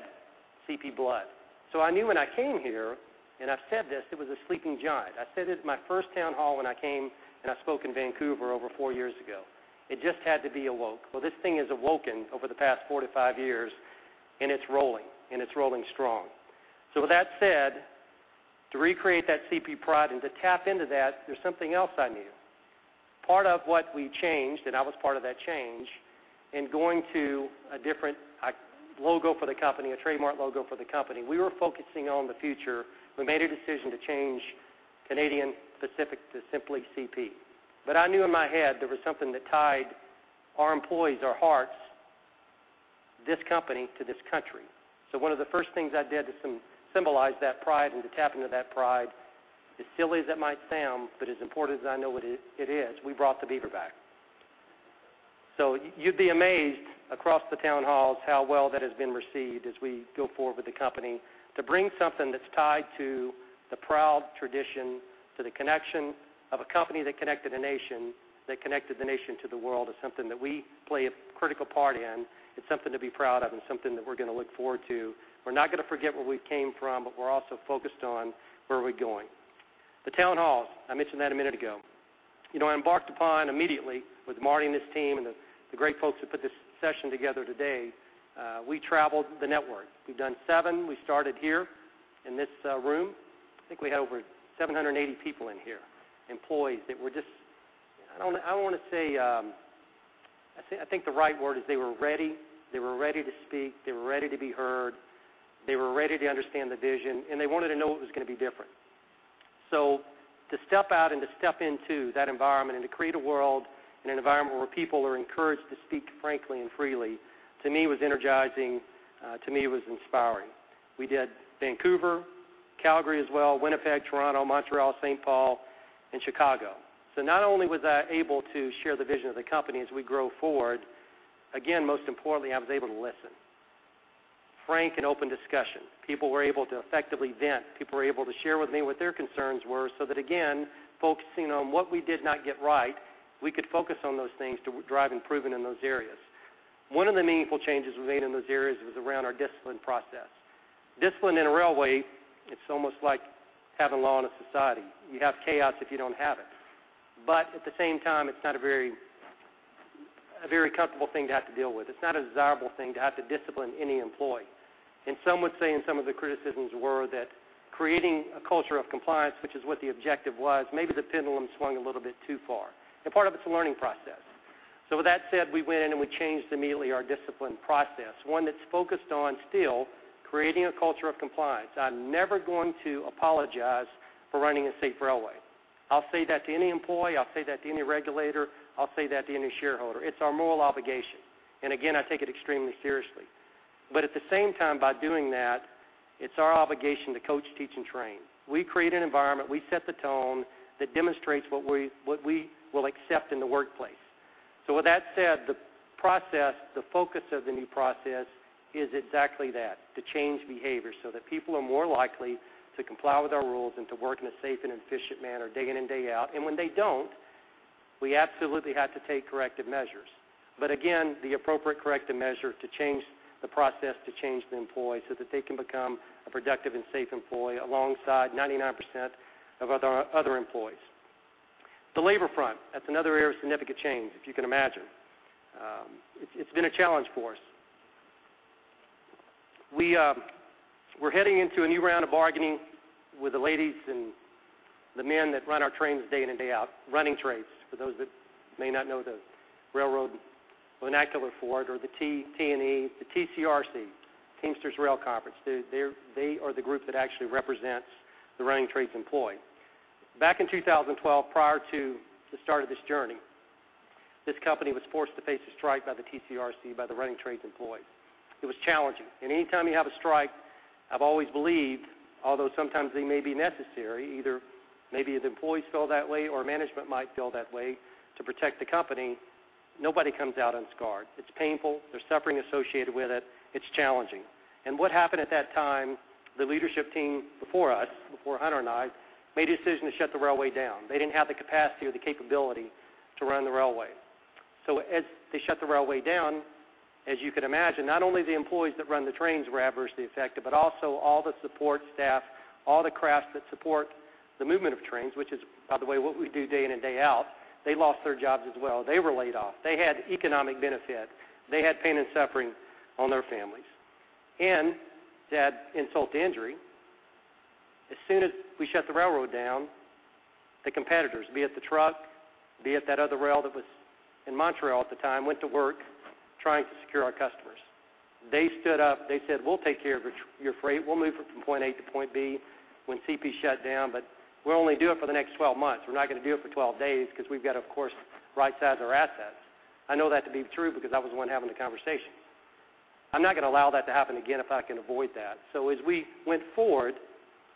CP blood. So I knew when I came here, and I've said this, it was a sleeping giant. I said this in my first town hall when I came, and I spoke in Vancouver over four years ago. It just had to be awoke. Well, this thing has awoken over the past 45 years, and it's rolling, and it's rolling strong. So with that said, to recreate that CP pride and to tap into that, there's something else I knew. Part of what we changed, and I was part of that change, in going to a different i- logo for the company, a trademark logo for the company, we were focusing on the future. We made a decision to change Canadian Pacific to simply CP. But I knew in my head there was something that tied our employees, our hearts, this company to this country. So one of the first things I did to symbolize that pride and to tap into that pride, as silly as it might sound, but as important as I know it is, it is, we brought the beaver back. So you'd be amazed across the town halls, how well that has been received as we go forward with the company, to bring something that's tied to the proud tradition, to the connection of a company that connected a nation, that connected the nation to the world, is something that we play a critical part in. It's something to be proud of and something that we're gonna look forward to. We're not gonna forget where we came from, but we're also focused on where are we going. The town halls, I mentioned that a minute ago. You know, I embarked upon immediately with Marty and his team and the great folks who put this session together today. We traveled the network. We've done 7. We started here in this room. I think we had over 780 people in here, employees that were just... I don't wanna say, I think the right word is they were ready. They were ready to speak, they were ready to be heard, they were ready to understand the vision, and they wanted to know what was gonna be different. So to step out and to step into that environment and to create a world and an environment where people are encouraged to speak frankly and freely, to me, was energizing. To me, it was inspiring. We did Vancouver, Calgary as well, Winnipeg, Toronto, Montreal, St. Paul, and Chicago. So not only was I able to share the vision of the company as we grow forward, again, most importantly, I was able to listen. Frank and open discussion. People were able to effectively vent. People were able to share with me what their concerns were so that, again, focusing on what we did not get right, we could focus on those things to drive improvement in those areas. One of the meaningful changes we made in those areas was around our discipline process. Discipline in a railway, it's almost like having law in a society. You have chaos if you don't have it. But at the same time, it's not a very comfortable thing to have to deal with. It's not a desirable thing to have to discipline any employee. And some would say, and some of the criticisms were, that creating a culture of compliance, which is what the objective was, maybe the pendulum swung a little bit too far, and part of it's a learning process. So with that said, we went in, and we changed immediately our discipline process, one that's focused on still creating a culture of compliance. I'm never going to apologize for running a safe railway. I'll say that to any employee, I'll say that to any regulator, I'll say that to any shareholder. It's our moral obligation, and again, I take it extremely seriously. But at the same time, by doing that, it's our obligation to coach, teach, and train. We create an environment, we set the tone that demonstrates what we, what we will accept in the workplace. So with that said, the process, the focus of the new process is exactly that, to change behavior so that people are more likely to comply with our rules and to work in a safe and efficient manner, day in and day out. And when they don't, we absolutely have to take corrective measures. But again, the appropriate corrective measure to change the process, to change the employee so that they can become a productive and safe employee alongside 99% of other, our other employees. The labor front, that's another area of significant change, if you can imagine. It's been a challenge for us. We're heading into a new round of bargaining with the ladies and the men that run our trains day in and day out, running trades, for those that may not know the railroad vernacular for it, or the T&E, the TCRC, Teamsters Canada Rail Conference. They're, they are the group that actually represents the running trades employee. Back in 2012, prior to the start of this journey. This company was forced to face a strike by the TCRC, by the running trades employees. It was challenging, and anytime you have a strike, I've always believed, although sometimes they may be necessary, either maybe the employees feel that way or management might feel that way to protect the company, nobody comes out unscarred. It's painful. There's suffering associated with it. It's challenging. And what happened at that time, the leadership team before us, before Hunter and I, made a decision to shut the railway down. They didn't have the capacity or the capability to run the railway. So as they shut the railway down, as you can imagine, not only the employees that run the trains were adversely affected, but also all the support staff, all the crafts that support the movement of trains, which is, by the way, what we do day in and day out, they lost their jobs as well. They were laid off. They had economic benefit. They had pain and suffering on their families. And to add insult to injury, as soon as we shut the railroad down, the competitors, be it the truck, be it that other rail that was in Montreal at the time, went to work trying to secure our customers. They stood up. They said, "We'll take care of your freight. We'll move it from point A to point B when CP shut down, but we'll only do it for the next 12 months. We're not gonna do it for 12 days because we've got, of course, right size our assets." I know that to be true because I was the one having the conversation. I'm not gonna allow that to happen again if I can avoid that. So as we went forward,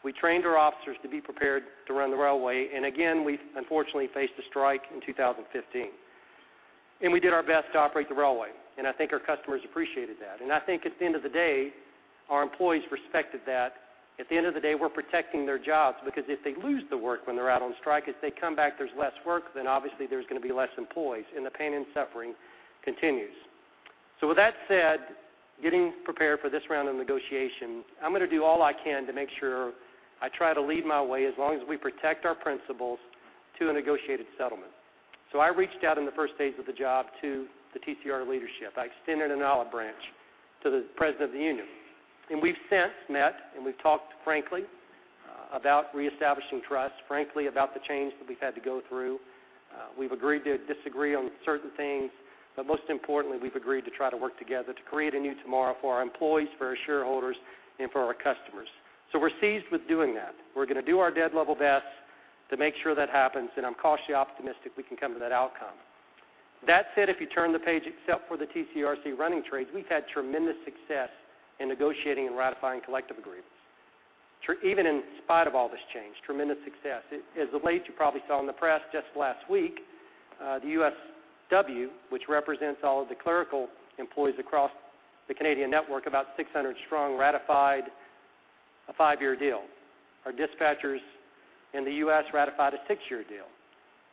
we trained our officers to be prepared to run the railway, and again, we unfortunately faced a strike in 2015. We did our best to operate the railway, and I think our customers appreciated that. I think at the end of the day, our employees respected that. At the end of the day, we're protecting their jobs, because if they lose the work when they're out on strike, if they come back, there's less work, then obviously there's gonna be less employees, and the pain and suffering continues. So with that said, getting prepared for this round of negotiations, I'm gonna do all I can to make sure I try to lead my way as long as we protect our principles to a negotiated settlement. So I reached out in the first days of the job to the TCR leadership. I extended an olive branch to the president of the union, and we've since met, and we've talked frankly about reestablishing trust, frankly, about the change that we've had to go through. We've agreed to disagree on certain things, but most importantly, we've agreed to try to work together to create a new tomorrow for our employees, for our shareholders, and for our customers. So we're seized with doing that. We're gonna do our dead level best to make sure that happens, and I'm cautiously optimistic we can come to that outcome. That said, if you turn the page, except for the TCRC running trades, we've had tremendous success in negotiating and ratifying collective agreements. Even in spite of all this change, tremendous success. As of late, you probably saw in the press just last week, the USW, which represents all of the clerical employees across the Canadian network, about 600 strong, ratified a five-year deal. Our dispatchers in the U.S. ratified a six-year deal.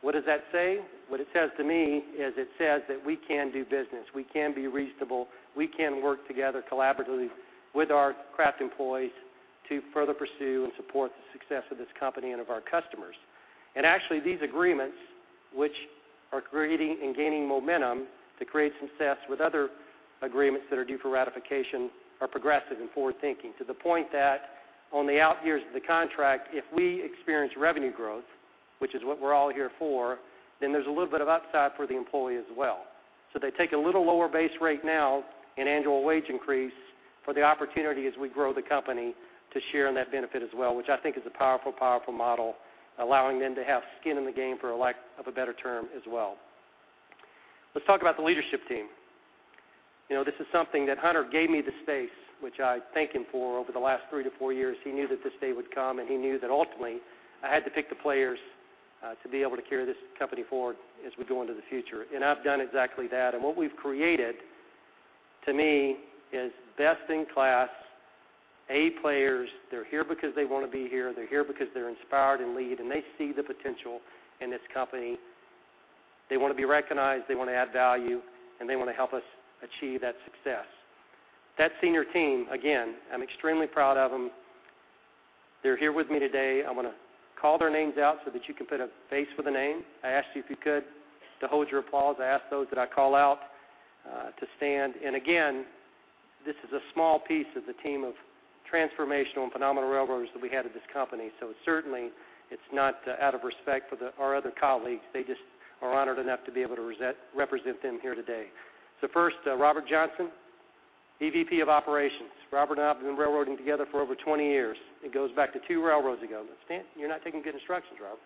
What does that say? What it says to me is it says that we can do business, we can be reasonable, we can work together collaboratively with our craft employees to further pursue and support the success of this company and of our customers. And actually, these agreements, which are creating and gaining momentum to create success with other agreements that are due for ratification, are progressive and forward-thinking, to the point that on the out years of the contract, if we experience revenue growth, which is what we're all here for, then there's a little bit of upside for the employee as well. So they take a little lower base rate now in annual wage increase for the opportunity as we grow the company to share in that benefit as well, which I think is a powerful, powerful model, allowing them to have skin in the game, for a lack of a better term, as well. Let's talk about the leadership team. You know, this is something that Hunter gave me the space, which I thank him for over the last 3-4 years. He knew that this day would come, and he knew that ultimately I had to pick the players, to be able to carry this company forward as we go into the future, and I've done exactly that. And what we've created, to me, is best-in-class A players. They're here because they want to be here. They're here because they're inspired to lead, and they see the potential in this company. They want to be recognized, they want to add value, and they want to help us achieve that success. That senior team, again, I'm extremely proud of them. They're here with me today. I'm gonna call their names out so that you can put a face with a name. I ask you, if you could, to hold your applause. I ask those that I call out to stand. And again, this is a small piece of the team of transformational and phenomenal railroaders that we have at this company. So certainly, it's not out of respect for our other colleagues. They just are honored enough to be able to represent them here today. So first, Robert Johnson, EVP of Operations. Robert and I have been railroading together for over 20 years. It goes back to two railroads ago. Stand. You're not taking good instructions, Rob.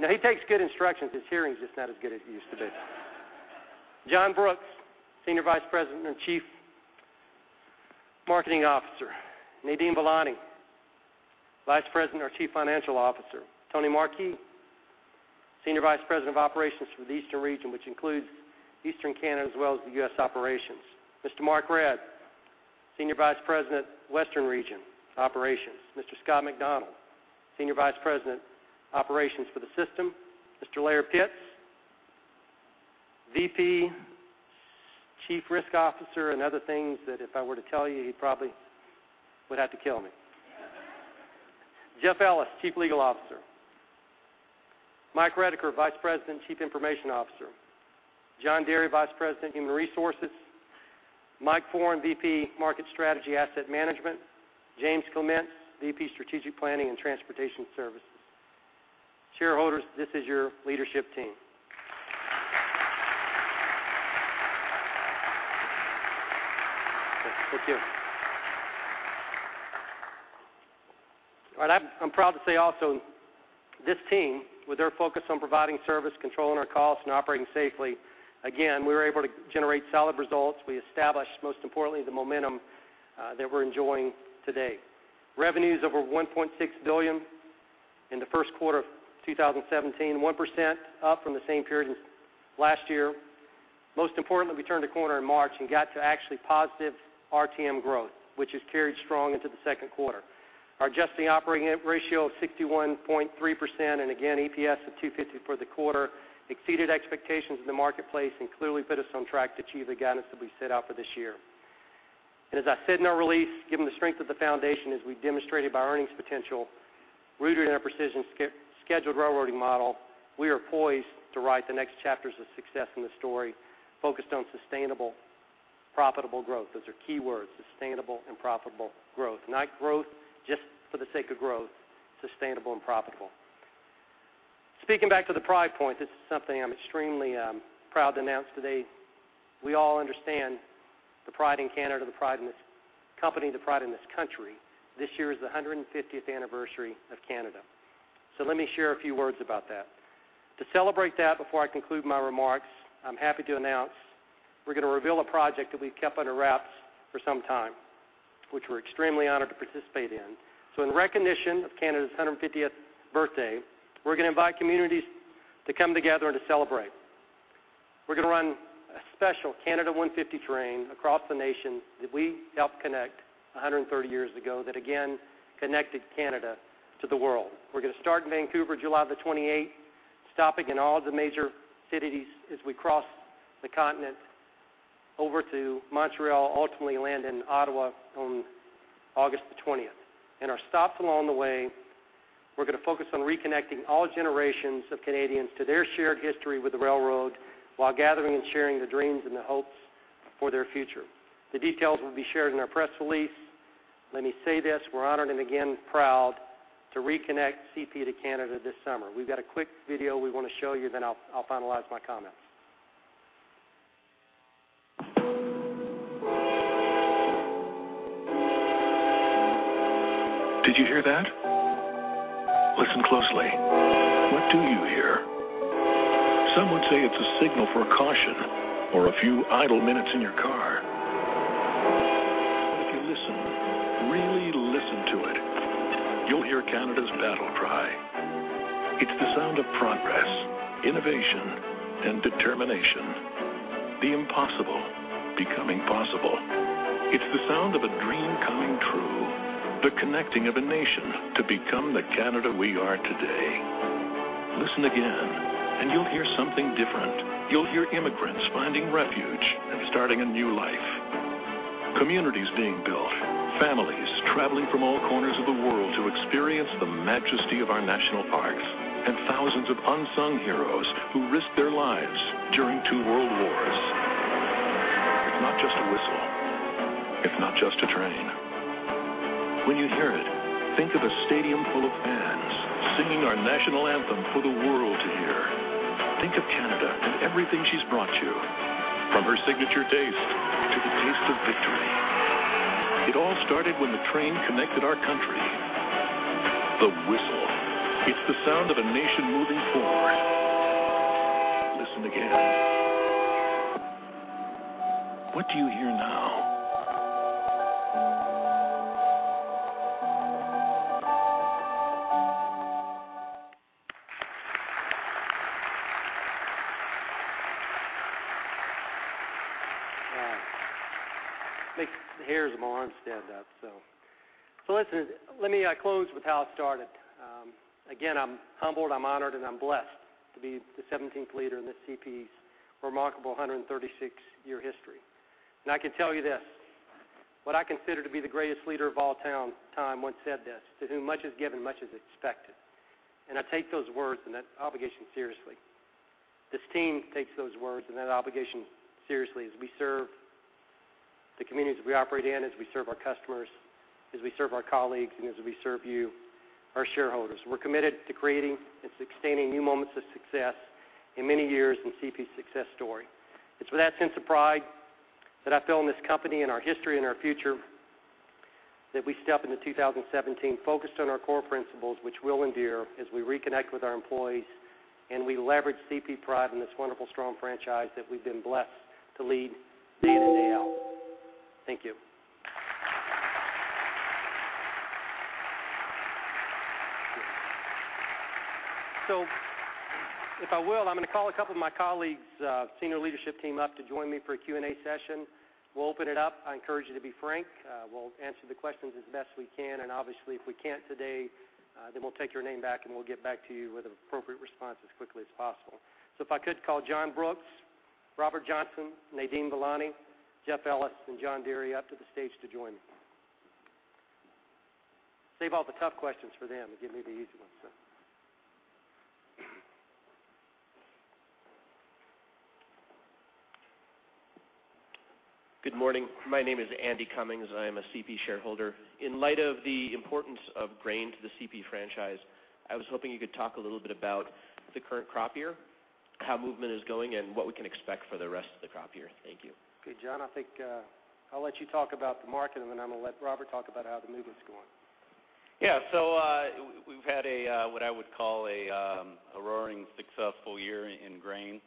No, he takes good instructions. His hearing's just not as good as it used to be. John Brooks, Senior Vice President and Chief Marketing Officer. Nadeem Velani, Vice President and Chief Financial Officer. Tony Marquis, Senior Vice President of Operations for the Eastern Region, which includes Eastern Canada, as well as the U.S. operations. Mr. Mark Redd, Senior Vice President, Western Region Operations. Mr. Scott MacDonald, Senior Vice President, Operations for the system. Mr. Laird Pitz, VP, Chief Risk Officer, and other things that if I were to tell you, he probably would have to kill me. Jeff Ellis, Chief Legal Officer. Mike Redeker, Vice President, Chief Information Officer. John Derry, Vice President, Human Resources. Mike Foran, VP, Market Strategy, Asset Management. James Clements, VP, Strategic Planning and Transportation Services. Shareholders, this is your leadership team. Thank you. All right, I'm proud to say also, this team, with their focus on providing service, controlling our costs, and operating safely, again, we were able to generate solid results. We established, most importantly, the momentum that we're enjoying today. Revenues over $1.6 billion in the first quarter of 2017, 1% up from the same period as last year. Most importantly, we turned a corner in March and got to actually positive RTM growth, which has carried strong into the second quarter. Our adjusted operating ratio of 61.3%, and again, EPS of $2.50 for the quarter, exceeded expectations in the marketplace and clearly put us on track to achieve the guidance that we set out for this year. And as I said in our release, given the strength of the foundation as we demonstrated by earnings potential, rooted in our precision scheduled railroading model, we are poised to write the next chapters of success in the story focused on sustainable, profitable growth. Those are key words, sustainable and profitable growth, not growth just for the sake of growth, sustainable and profitable. Speaking back to the pride point, this is something I'm extremely proud to announce today. We all understand the pride in Canada, the pride in this company, the pride in this country. This year is the 150th anniversary of Canada, so let me share a few words about that. To celebrate that, before I conclude my remarks, I'm happy to announce we're gonna reveal a project that we've kept under wraps for some time, which we're extremely honored to participate in. So in recognition of Canada's 150th birthday, we're gonna invite communities to come together to celebrate. We're gonna run a special Canada 150 Train across the nation that we helped connect 130 years ago, that again connected Canada to the world. We're gonna start in Vancouver, July 28th, stopping in all the major cities as we cross the continent over to Montreal, ultimately land in Ottawa on August 20th. In our stops along the way, we're gonna focus on reconnecting all generations of Canadians to their shared history with the railroad, while gathering and sharing the dreams and the hopes for their future. The details will be shared in our press release. Let me say this, we're honored and again, proud to reconnect CP to Canada this summer. We've got a quick video we want to show you, then I'll finalize my comments. Did you hear that? Listen closely. What do you hear? Some would say it's a signal for caution or a few idle minutes in your car. But if you listen, really listen to it, you'll hear Canada's battle cry. It's the sound of progress, innovation, and determination, the impossible becoming possible. It's the sound of a dream coming true, the connecting of a nation to become the Canada we are today. Listen again, and you'll hear something different. You'll hear immigrants finding refuge and starting a new life, communities being built, families traveling from all corners of the world to experience the majesty of our national parks, and thousands of unsung heroes who risked their lives during two world wars. It's not just a whistle. It's not just a train. When you hear it, think of a stadium full of fans singing our national anthem for the world to hear. Think of Canada and everything she's brought you, from her signature taste to the taste of victory. It all started when the train connected our country. The whistle, it's the sound of a nation moving forward. Listen again. What do you hear now? All right. Makes the hairs on my arms stand up, so. So listen, let me close with how I started. Again, I'm humbled, I'm honored, and I'm blessed to be the seventeenth leader in the CP's remarkable 136-year history. And I can tell you this, what I consider to be the greatest leader of all time once said this, "To whom much is given, much is expected." And I take those words and that obligation seriously. This team takes those words and that obligation seriously as we serve the communities that we operate in, as we serve our customers, as we serve our colleagues, and as we serve you, our shareholders. We're committed to creating and sustaining new moments of success in many years in CP's success story. It's with that sense of pride that I fill in this company, and our history, and our future, that we step into 2017, focused on our core principles, which will endure as we reconnect with our employees and we leverage CP pride in this wonderful, strong franchise that we've been blessed to lead day in and day out. Thank you. So if I will, I'm gonna call a couple of my colleagues, senior leadership team up to join me for a Q&A session. We'll open it up. I encourage you to be frank. We'll answer the questions as best we can, and obviously, if we can't today, then we'll take your name back, and we'll get back to you with an appropriate response as quickly as possible. If I could call John Brooks, Robert Johnson, Nadeem Velani, Jeff Ellis, and John Derry up to the stage to join me. Save all the tough questions for them and give me the easy ones, so. Good morning. My name is Andy Cummings. I am a CP shareholder. In light of the importance of grain to the CP franchise, I was hoping you could talk a little bit about the current crop year. how movement is going and what we can expect for the rest of the crop year? Thank you. Okay, John, I think, I'll let you talk about the market, and then I'm gonna let Robert talk about how the movement's going. Yeah, so, we've had a what I would call a roaring successful year in grain.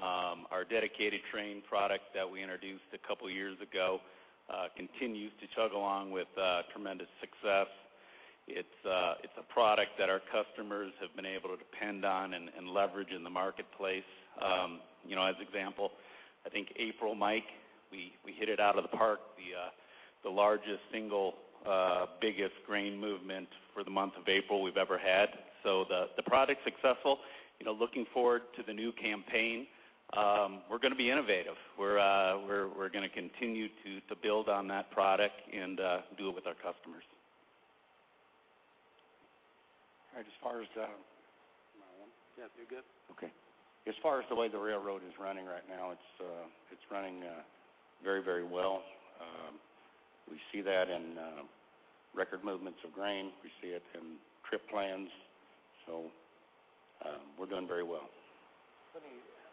Our dedicated train product that we introduced a couple years ago continues to chug along with tremendous success. It's a product that our customers have been able to depend on and leverage in the marketplace. You know, as example, I think April, Mike, we hit it out of the park, the largest single biggest grain movement for the month of April we've ever had. So the product's successful. You know, looking forward to the new campaign, we're gonna be innovative. We're gonna continue to build on that product and do it with our customers. All right, as far as, am I on? Yeah, you're good. Okay. As far as the way the railroad is running right now, it's running very, very well. We see that in record movements of grain. We see it in trip plans. So, we're doing very well.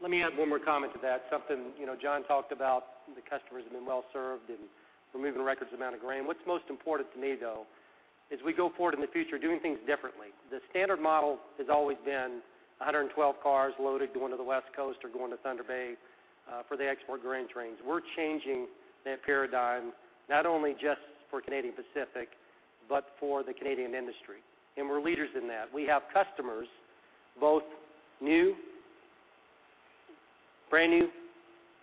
Let me add one more comment to that. Something, you know, John talked about the customers have been well served, and we're moving record amounts of grain. What's most important to me, though, as we go forward in the future, doing things differently. The standard model has always been 112 cars loaded, going to the West Coast or going to Thunder Bay, for the export grain trains. We're changing that paradigm, not only just for Canadian Pacific, but for the Canadian industry, and we're leaders in that. We have customers, both new... brand-new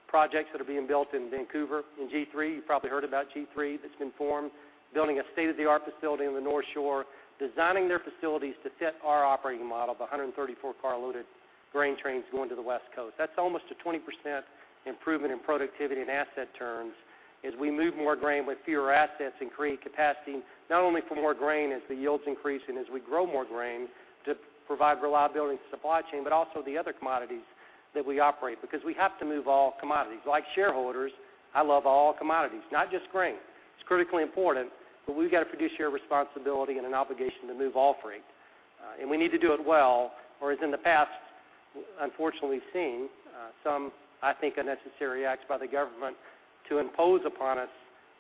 projects that are being built in Vancouver, in G3. You've probably heard about G3 that's been formed, building a state-of-the-art facility on the North Shore, designing their facilities to fit our operating model of 134 car loaded grain trains going to the West Coast. That's almost a 20% improvement in productivity in asset terms as we move more grain with fewer assets and create capacity, not only for more grain as the yields increase and as we grow more grain, to provide reliability to supply chain, but also the other commodities that we operate because we have to move all commodities. Like shareholders, I love all commodities, not just grain. It's critically important, but we've got a fiduciary responsibility and an obligation to move all freight, and we need to do it well or as in the past, unfortunately seen, some, I think, unnecessary acts by the government to impose upon us,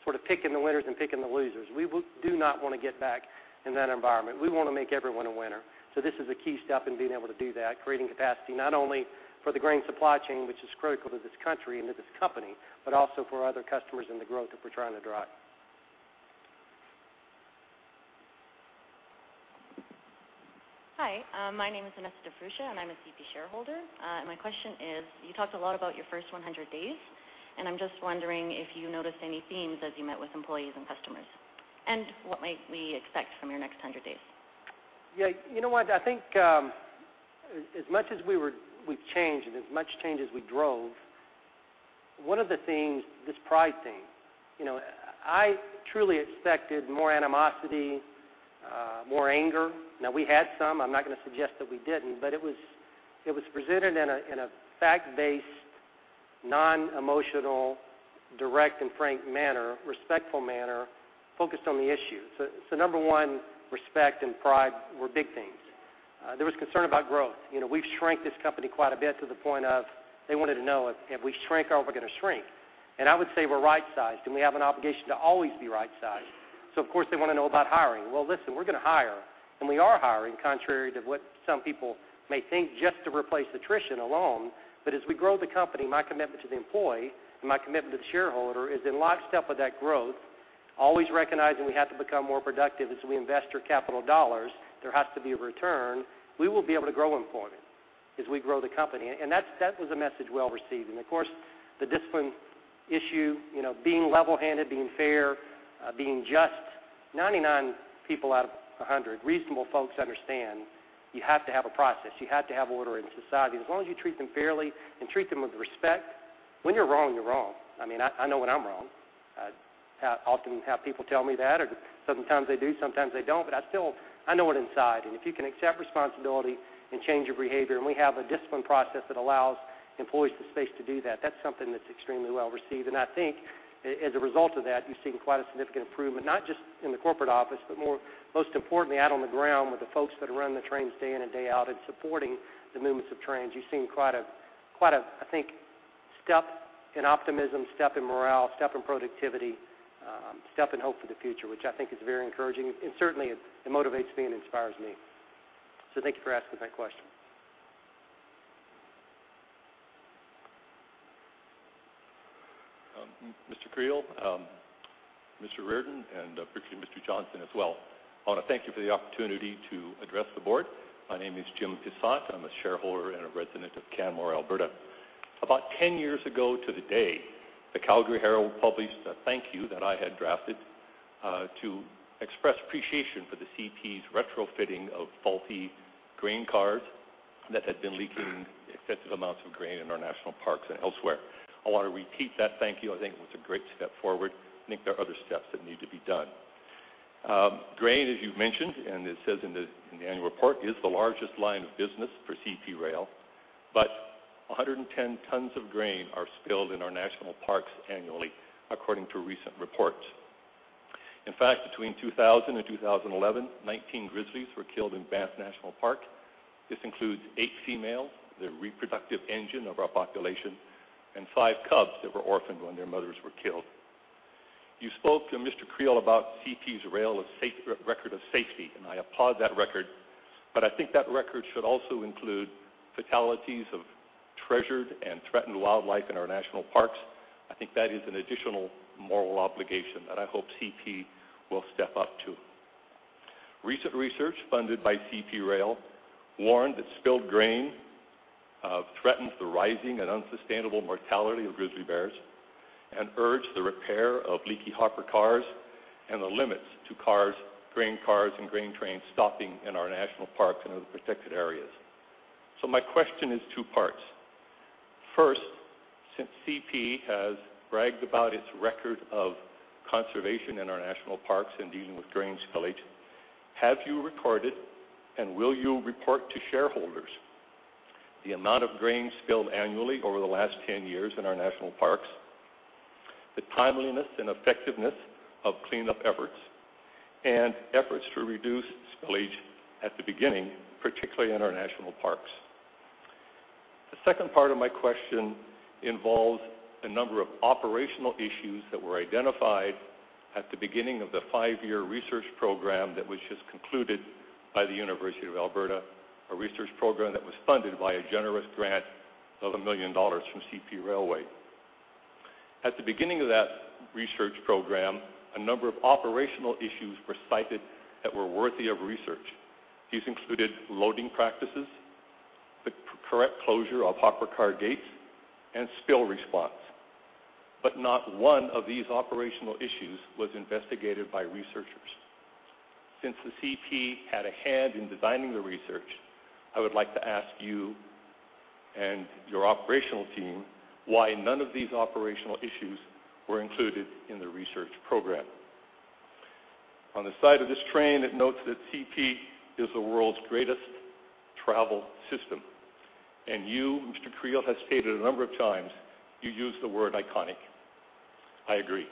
sort of picking the winners and picking the losers. We do not want to get back in that environment. We want to make everyone a winner. This is a key step in being able to do that, creating capacity, not only for the grain supply chain, which is critical to this country and to this company, but also for other customers and the growth that we're trying to drive. Hi, my name is Vanessa De Fruscia, and I'm a CP shareholder. My question is, you talked a lot about your first 100 days, and I'm just wondering if you noticed any themes as you met with employees and customers, and what might we expect from your next 100 days? Yeah, you know what? I think, as much as we've changed and as much change as we drove, one of the themes, this pride theme, you know, I truly expected more animosity, more anger. Now we had some. I'm not gonna suggest that we didn't, but it was presented in a fact-based, non-emotional, direct, and frank manner, respectful manner, focused on the issues. So number one, respect and pride were big themes. There was concern about growth. You know, we've shrank this company quite a bit, to the point of they wanted to know, have we shrank, or are we gonna shrink? And I would say we're right-sized, and we have an obligation to always be right-sized. So, of course, they wanna know about hiring. Well, listen, we're gonna hire, and we are hiring, contrary to what some people may think, just to replace attrition alone. But as we grow the company, my commitment to the employee and my commitment to the shareholder is in lockstep with that growth, always recognizing we have to become more productive as we invest your capital dollars. There has to be a return. We will be able to grow employment as we grow the company, and that's- that was a message well received. And of course, the discipline issue, you know, being level-handed, being fair, being just. 99 people out of a 100, reasonable folks understand you have to have a process. You have to have order in society. As long as you treat them fairly and treat them with respect. When you're wrong, you're wrong. I mean, I know when I'm wrong. I often have people tell me that, or sometimes they do, sometimes they don't, but I still know it inside. And if you can accept responsibility and change your behavior, and we have a discipline process that allows employees the space to do that, that's something that's extremely well received. And I think as a result of that, you've seen quite a significant improvement, not just in the corporate office, but more, most importantly, out on the ground with the folks that are running the trains day in and day out and supporting the movements of trains. You've seen quite a step in optimism, step in morale, step in productivity, step in hope for the future, which I think is very encouraging, and certainly it motivates me and inspires me. So thank you for asking that question. Mr. Creel, Mr. Reardon, and, particularly Mr. Johnson as well, I wanna thank you for the opportunity to address the board. My name is Jim Pissot. I'm a shareholder and a resident of Canmore, Alberta. About 10 years ago to the day, the Calgary Herald published a thank you that I had drafted, to express appreciation for the CP's retrofitting of faulty grain cars that had been leaking extensive amounts of grain in our national parks and elsewhere. I want to repeat that thank you. I think it was a great step forward. I think there are other steps that need to be done. Grain, as you've mentioned, and it says in the annual report, is the largest line of business for CP Rail, but 110 tons of grain are spilled in our national parks annually, according to recent reports. In fact, between 2000 and 2011, 19 grizzlies were killed in Banff National Park. This includes eight females, the reproductive engine of our population, and five cubs that were orphaned when their mothers were killed. You spoke to Mr. Creel about CP's rail safety record, and I applaud that record, but I think that record should also include fatalities of treasured and threatened wildlife in our national parks. I think that is an additional moral obligation that I hope CP will step up to. Recent research funded by CP Rail warned that spilled grain threatens the rising and unsustainable mortality of grizzly bears and urged the repair of leaky hopper cars and the limits to cars, grain cars, and grain trains stopping in our national parks and other protected areas. So my question is two parts. First, since CP has bragged about its record of conservation in our national parks and dealing with grain spillage, have you recorded, and will you report to shareholders, the amount of grain spilled annually over the last 10 years in our national parks, the timeliness and effectiveness of cleanup efforts, and efforts to reduce spillage at the beginning, particularly in our national parks? The second part of my question involves a number of operational issues that were identified at the beginning of the five-year research program that was just concluded by the University of Alberta, a research program that was funded by a generous grant of 1 million dollars from CP Railway. At the beginning of that research program, a number of operational issues were cited that were worthy of research. These included loading practices, the correct closure of hopper car gates, and spill response, but not one of these operational issues was investigated by researchers. Since the CP had a hand in designing the research, I would like to ask you and your operational team why none of these operational issues were included in the research program. On the side of this train, it notes that CP is the world's greatest travel system, and you, Mr. Creel has stated a number of times, you use the word iconic. I agree.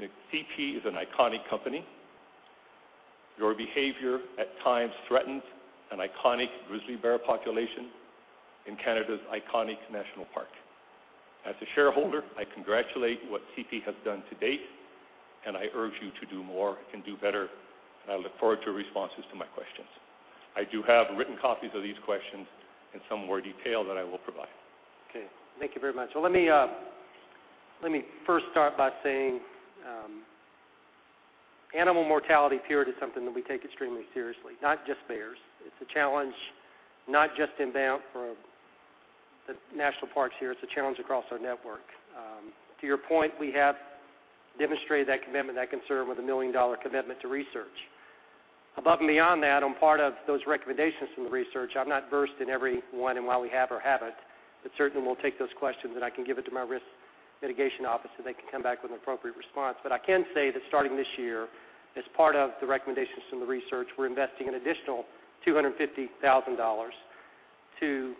CP is an iconic company. Your behavior at times threatens an iconic grizzly bear population in Canada's iconic national park. As a shareholder, I congratulate what CP has done to date, and I urge you to do more and do better, and I look forward to responses to my questions. I do have written copies of these questions in some more detail that I will provide. Okay, thank you very much. Well, let me first start by saying, animal mortality period is something that we take extremely seriously, not just bears. It's a challenge, not just in Banff or the national parks here, it's a challenge across our network. To your point, we have demonstrated that commitment, that concern with a 1 million dollar commitment to research. Above and beyond that, on part of those recommendations from the research, I'm not versed in every one and why we have or haven't, but certainly we'll take those questions, and I can give it to my risk mitigation office, so they can come back with an appropriate response. But I can say that starting this year, as part of the recommendations from the research, we're investing an additional 250,000 dollars to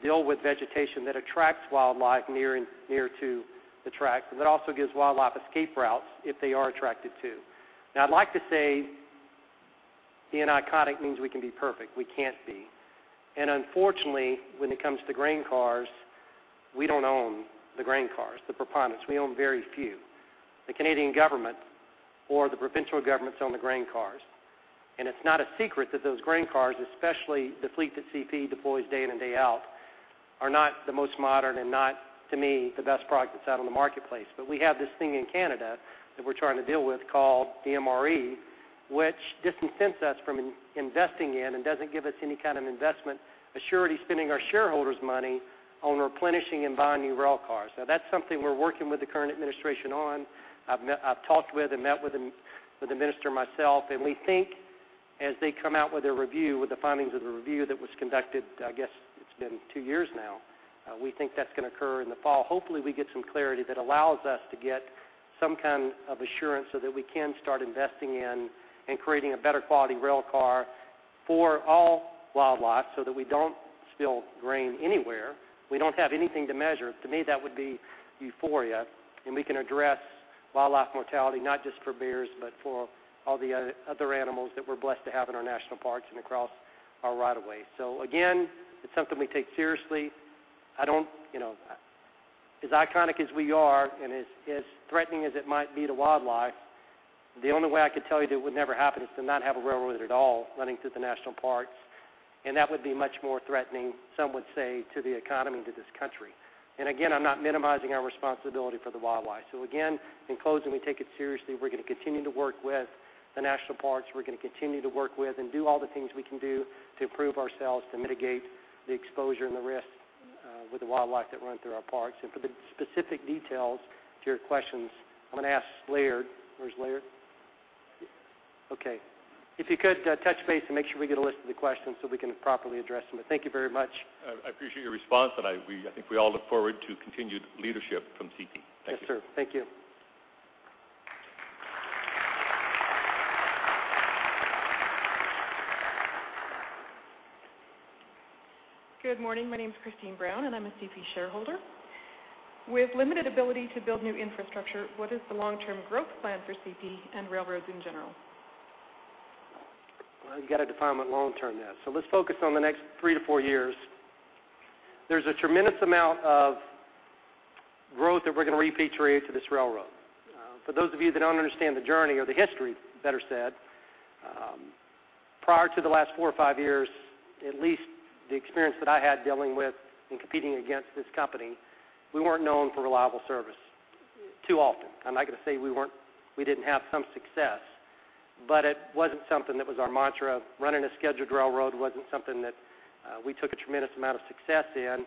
deal with vegetation that attracts wildlife near and near to the track. But that also gives wildlife escape routes if they are attracted to. Now, I'd like to say being iconic means we can be perfect. We can't be, and unfortunately, when it comes to grain cars, we don't own the grain cars, the proponents. We own very few. The Canadian government or the provincial governments own the grain cars, and it's not a secret that those grain cars, especially the fleet that CP deploys day in and day out, are not the most modern and not, to me, the best product that's out on the marketplace. But we have this thing in Canada that we're trying to deal with, called the MRE, which disincentives us from investing in and doesn't give us any kind of investment assurance spending our shareholders' money on replenishing and buying new rail cars. Now, that's something we're working with the current administration on. I've talked with and met with the minister myself, and we think as they come out with a review, with the findings of the review that was conducted, I guess it's been two years now, we think that's gonna occur in the fall. Hopefully, we get some clarity that allows us to get some kind of assurance so that we can start investing in and creating a better quality rail car for all wildlife so that we don't spill grain anywhere. We don't have anything to measure. To me, that would be euphoria, and we can address wildlife mortality, not just for bears, but for all the other, other animals that we're blessed to have in our national parks and across our right of way. So again, it's something we take seriously. I don't... You know, as iconic as we are and as, as threatening as it might be to wildlife, the only way I could tell you it would never happen is to not have a railroad at all running through the national parks, and that would be much more threatening, some would say, to the economy, to this country. And again, I'm not minimizing our responsibility for the wildlife. So again, in closing, we take it seriously. We're gonna continue to work with the national parks. We're gonna continue to work with and do all the things we can do to improve ourselves, to mitigate the exposure and the risk with the wildlife that run through our parks. For the specific details to your questions, I'm gonna ask Laird. Where's Laird? Okay, if you could touch base and make sure we get a list of the questions, so we can properly address them. But thank you very much. I appreciate your response, and I think we all look forward to continued leadership from CP. Thank you. Yes, sir. Thank you. Good morning. My name is Christine Brown, and I'm a CP shareholder. With limited ability to build new infrastructure, what is the long-term growth plan for CP and railroads in general? Well, you got to define what long-term is. So let's focus on the next 3-4 years. There's a tremendous amount of growth that we're going to repatriate to this railroad. For those of you that don't understand the journey or the history, better said, prior to the last 4 or 5 years, at least the experience that I had dealing with and competing against this company, we weren't known for reliable service too often. I'm not going to say we weren't—we didn't have some success, but it wasn't something that was our mantra. Running a scheduled railroad wasn't something that we took a tremendous amount of success in.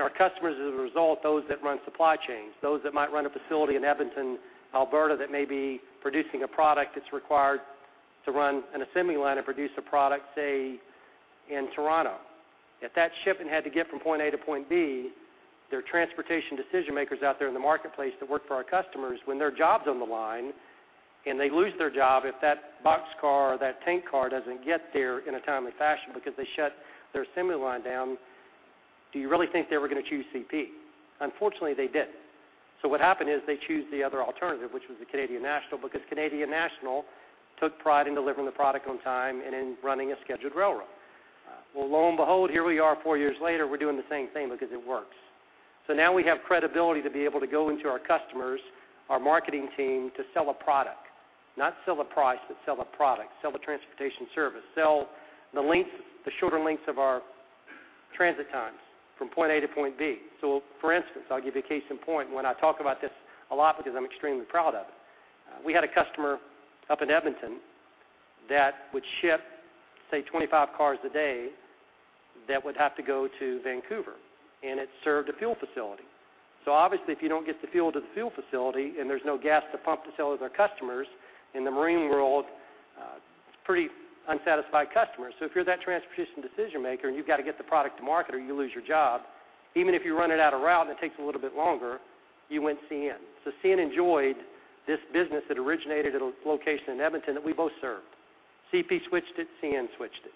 Our customers, as a result, those that run supply chains, those that might run a facility in Edmonton, Alberta, that may be producing a product that's required to run an assembly line and produce a product, say, in Toronto. If that shipment had to get from point A to point B, there are transportation decision-makers out there in the marketplace that work for our customers when their job's on the line, and they lose their job if that boxcar or that tank car doesn't get there in a timely fashion because they shut their assembly line down. Do you really think they were going to choose CP? Unfortunately, they didn't. So what happened is they choose the other alternative, which was the Canadian National, because Canadian National took pride in delivering the product on time and in running a scheduled railroad. Well, lo and behold, here we are four years later, we're doing the same thing because it works. So now we have credibility to be able to go into our customers, our marketing team, to sell a product. Not sell the price, but sell the product, sell the transportation service, sell the length, the shorter lengths of our transit times from point A to point B. So for instance, I'll give you a case in point. When I talk about this a lot because I'm extremely proud of it. We had a customer up in Edmonton that would ship, say, 25 cars a day that would have to go to Vancouver, and it served a fuel facility. So obviously, if you don't get the fuel to the fuel facility, and there's no gas to pump to sell to their customers in the marine world, it's pretty unsatisfied customers. So if you're that transportation decision-maker, and you've got to get the product to market or you lose your job, even if you run it out a route, and it takes a little bit longer, you went CN. So CN enjoyed this business that originated at a location in Edmonton that we both served. CP switched it; CN switched it.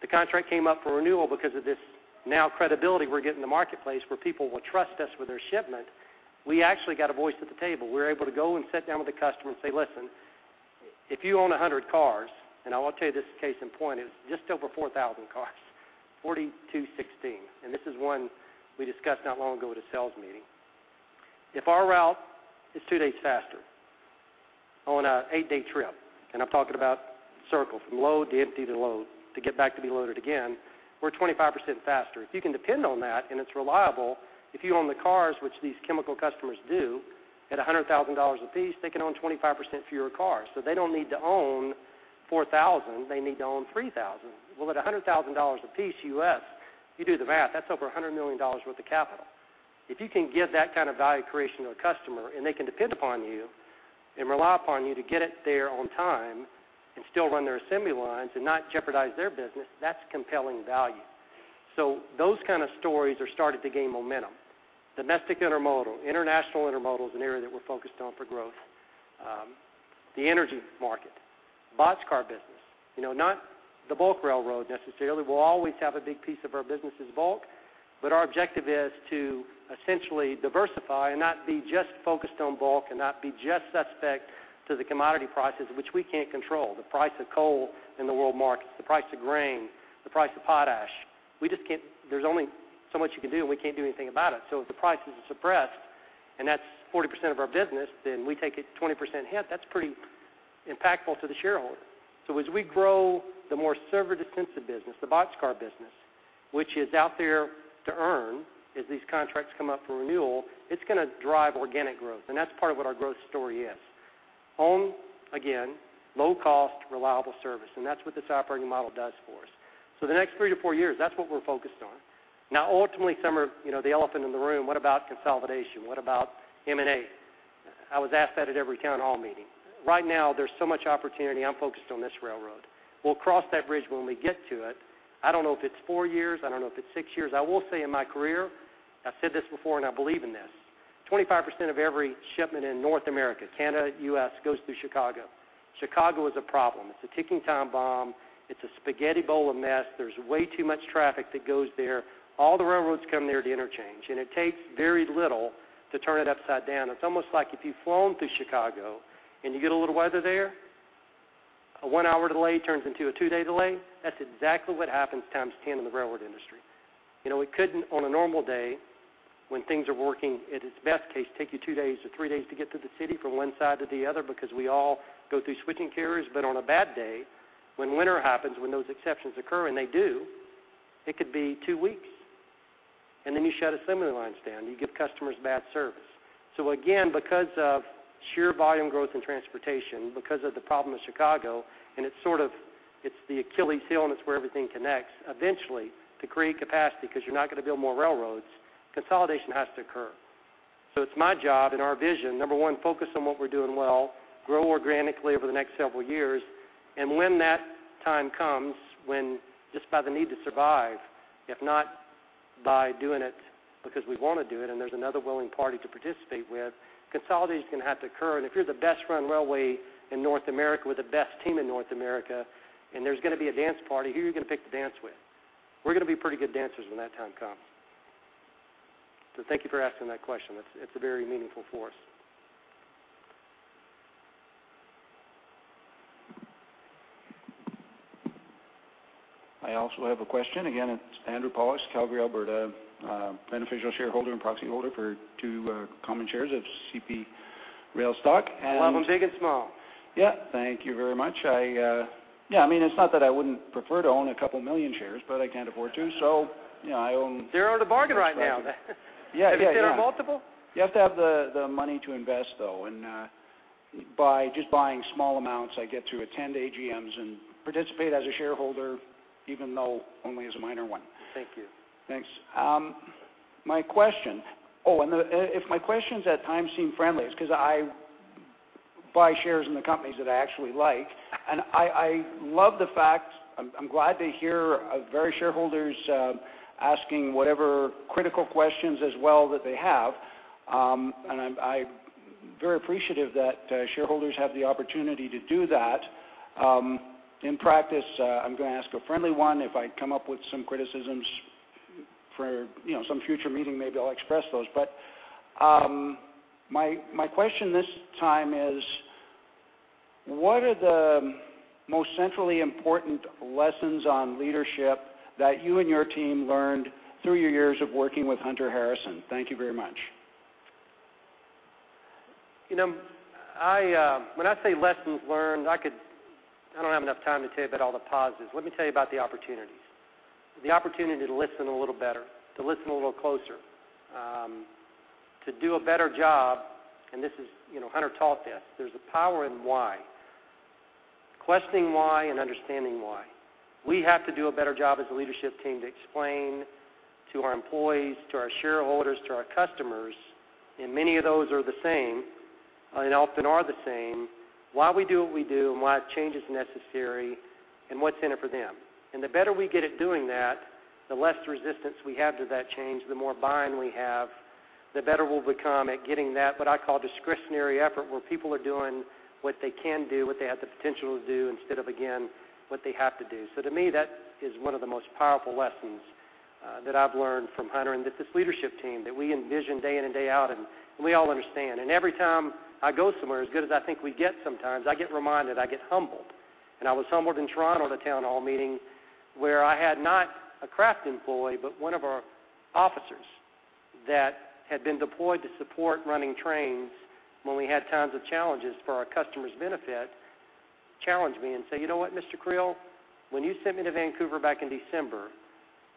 The contract came up for renewal because of this now credibility we're getting in the marketplace, where people will trust us with their shipment. We actually got a voice at the table. We're able to go and sit down with the customer and say, "Listen, if you own 100 cars," and I want to tell you, this case in point is just over 4,000 cars, 4,216, and this is one we discussed not long ago at a sales meeting. If our route is 2 days faster on an 8-day trip, and I'm talking about circle from load to empty to load to get back to be loaded again, we're 25% faster. If you can depend on that, and it's reliable, if you own the cars, which these chemical customers do, at $100,000 a piece, they can own 25% fewer cars. So they don't need to own 4,000; they need to own 3,000. Well, at $100,000 a piece, U.S., you do the math, that's over $100 million worth of capital. If you can give that kind of value creation to a customer, and they can depend upon you and rely upon you to get it there on time and still run their assembly lines and not jeopardize their business, that's compelling value. So those kind of stories are starting to gain momentum. Domestic intermodal, international intermodal is an area that we're focused on for growth. The energy market, boxcar business, you know, not the bulk railroad necessarily. We'll always have a big piece of our business as bulk, but our objective is to essentially diversify and not be just focused on bulk and not be just suspect to the commodity prices, which we can't control. The price of coal in the world market, the price of grain, the price of potash, we just can't... There's only so much you can do, and we can't do anything about it. So if the prices are suppressed, and that's 40% of our business, then we take a 20% hit. That's pretty impactful to the shareholder. So as we grow, the more service-intensive business, the boxcar business, which is out there to earn as these contracts come up for renewal, it's going to drive organic growth, and that's part of what our growth story is. Own, again, low cost, reliable service, and that's what this operating model does for us. So the next 3-4 years, that's what we're focused on. Now, ultimately, some are, you know, the elephant in the room. What about consolidation? What about M&A? I was asked that at every town hall meeting. Right now, there's so much opportunity, I'm focused on this railroad. We'll cross that bridge when we get to it. I don't know if it's four years. I don't know if it's 6 years. I will say in my career, I've said this before, and I believe in this, 25% of every shipment in North America, Canada, U.S., goes through Chicago. Chicago is a problem. It's a ticking time bomb. It's a spaghetti bowl of mess. There's way too much traffic that goes there. All the railroads come there to interchange, and it takes very little to turn it upside down. It's almost like if you've flown through Chicago, and you get a little weather there, a 1-hour delay turns into a 2-day delay. That's exactly what happens times 10 in the railroad industry. You know, it couldn't, on a normal day, when things are working at its best case, take you two days or three days to get through the city from one side to the other because we all go through switching carriers. But on a bad day, when winter happens, when those exceptions occur, and they do, it could be two weeks. And then you shut assembly lines down, you give customers bad service. So again, because of sheer volume growth in transportation, because of the problem of Chicago, and it's sort of, it's the Achilles' heel, and it's where everything connects, eventually to create capacity, because you're not going to build more railroads, consolidation has to occur. So it's my job and our vision, number one, focus on what we're doing well, grow organically over the next several years, and when that time comes, when just by the need to survive, if not by doing it because we want to do it, and there's another willing party to participate with, consolidation is gonna have to occur. If you're the best-run railway in North America, with the best team in North America, and there's gonna be a dance party, who are you gonna pick to dance with? We're gonna be pretty good dancers when that time comes. So thank you for asking that question. It's, it's very meaningful for us. I also have a question. Again, it's Andrew Polos, Calgary, Alberta, beneficial shareholder and proxy holder for two common shares of CP Rail stock, and- Love them big and small. Yeah. Thank you very much. I, yeah, I mean, it's not that I wouldn't prefer to own a couple million shares, but I can't afford to, so, you know, I own- They're on a bargain right now. Yeah, yeah, yeah. Have you cleared multiple? You have to have the money to invest, though, and by just buying small amounts, I get to attend AGMs and participate as a shareholder, even though only as a minor one. Thank you. Thanks. My question... Oh, and, if my questions at times seem friendly, it's 'cause I buy shares in the companies that I actually like, and I love the fact, I'm glad to hear various shareholders asking whatever critical questions as well that they have. And I'm very appreciative that shareholders have the opportunity to do that. In practice, I'm gonna ask a friendly one. If I come up with some criticisms for, you know, some future meeting, maybe I'll express those. But my question this time is: What are the most centrally important lessons on leadership that you and your team learned through your years of working with Hunter Harrison? Thank you very much. You know, I, when I say lessons learned, I could—I don't have enough time to tell you about all the positives. Let me tell you about the opportunities. The opportunity to listen a little better, to listen a little closer, to do a better job, and this is, you know, Hunter taught this. There's a power in why. Questioning why and understanding why. We have to do a better job as a leadership team to explain to our employees, to our shareholders, to our customers, and many of those are the same, and often are the same, why we do what we do, and why change is necessary, and what's in it for them. And the better we get at doing that, the less resistance we have to that change, the more buy-in we have, the better we'll become at getting that, what I call, discretionary effort, where people are doing what they can do, what they have the potential to do, instead of, again, what they have to do. So to me, that is one of the most powerful lessons that I've learned from Hunter and this leadership team that we envision day in and day out, and we all understand. And every time I go somewhere, as good as I think we get sometimes, I get reminded, I get humbled. And I was humbled in Toronto at a town hall meeting, where I had not a craft employee, but one of our officers that had been deployed to support running trains when we had tons of challenges for our customers' benefit, challenge me and say: "You know what, Mr. Creel? When you sent me to Vancouver back in December,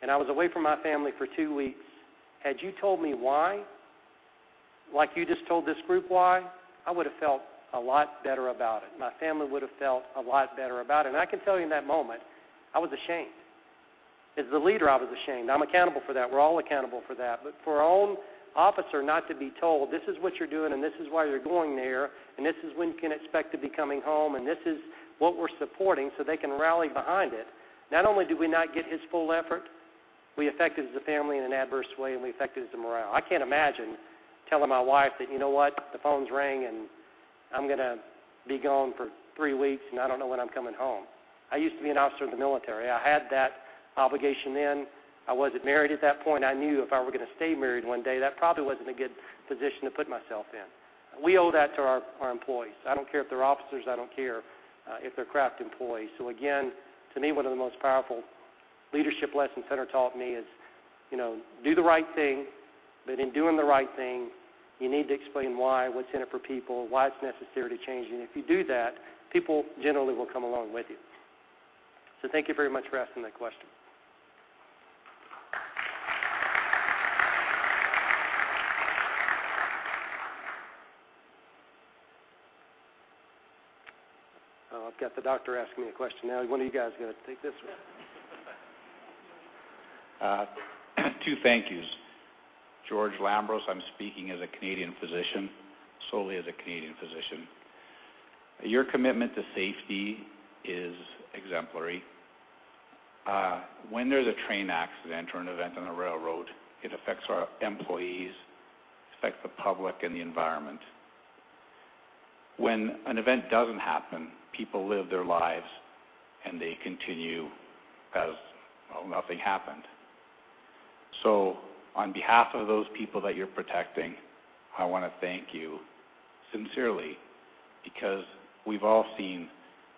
and I was away from my family for two weeks, had you told me why, like you just told this group why, I would've felt a lot better about it. My family would've felt a lot better about it." And I can tell you in that moment, I was ashamed. As the leader, I was ashamed. I'm accountable for that. We're all accountable for that. But for our own officer not to be told, "This is what you're doing, and this is why you're going there, and this is when you can expect to be coming home, and this is what we're supporting," so they can rally behind it, not only did we not get his full effort, we affected the family in an adverse way, and we affected the morale. I can't imagine telling my wife that, "You know what? The phones rang, and I'm gonna be gone for three weeks, and I don't know when I'm coming home." I used to be an officer in the military. I had that obligation then. I wasn't married at that point. I knew if I were gonna stay married one day, that probably wasn't a good position to put myself in. We owe that to our employees. I don't care if they're officers, I don't care if they're craft employees. So again, to me, one of the most powerful leadership lessons Hunter taught me is, you know, do the right thing, but in doing the right thing, you need to explain why, what's in it for people, why it's necessary to change, and if you do that, people generally will come along with you. So thank you very much for asking that question. Oh, I've got the doctor asking me a question now. One of you guys got to take this one. Two thank yous. George Lambros. I'm speaking as a Canadian physician, solely as a Canadian physician. Your commitment to safety is exemplary. When there's a train accident or an event on a railroad, it affects our employees, it affects the public and the environment. When an event doesn't happen, people live their lives, and they continue as, well, nothing happened. So on behalf of those people that you're protecting, I want to thank you sincerely, because we've all seen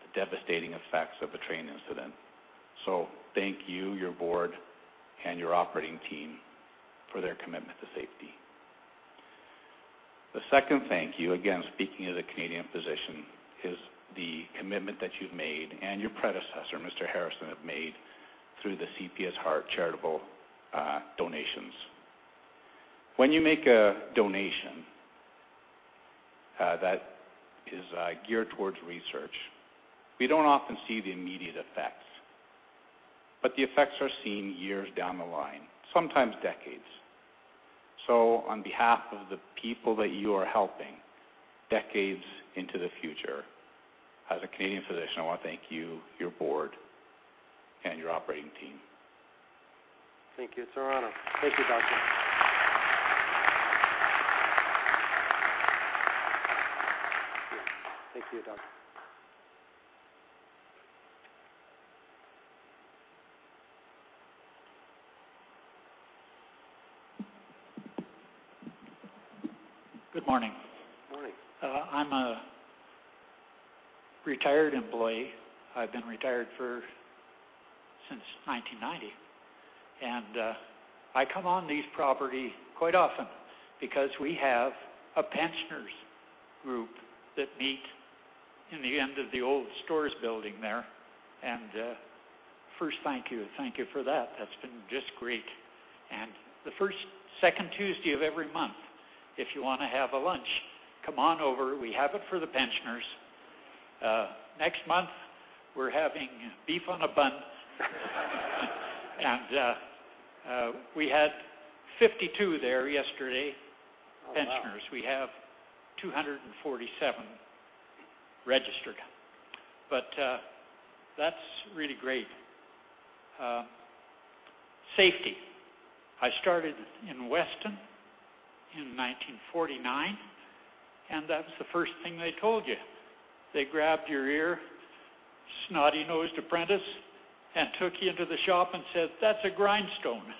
the devastating effects of a train incident. So thank you, your board, and your operating team for their commitment to safety. The second thank you, again, speaking as a Canadian physician, is the commitment that you've made, and your predecessor, Mr. Harrison, have made through the CP Has Heart charitable donations. When you make a donation, that is, geared towards research, we don't often see the immediate effects, but the effects are seen years down the line, sometimes decades.... So on behalf of the people that you are helping decades into the future, as a Canadian physician, I want to thank you, your board, and your operating team. Thank you, it's an honor. Thank you, Doctor. Thank you, Doctor. Good morning. Morning. I'm a retired employee. I've been retired for since 1990, and I come on these property quite often because we have a pensioners group that meet in the end of the old stores building there. And first, thank you. Thank you for that. That's been just great. And the first second Tuesday of every month, if you want to have a lunch, come on over. We have it for the pensioners. Next month, we're having beef on a bun. And we had 52 there yesterday- Oh, wow! pensioners. We have 247 registered, but, that's really great. Safety, I started in Weston in 1949, and that's the first thing they told you. They grabbed your ear, snotty-nosed apprentice, and took you into the shop and said, "That's a grindstone.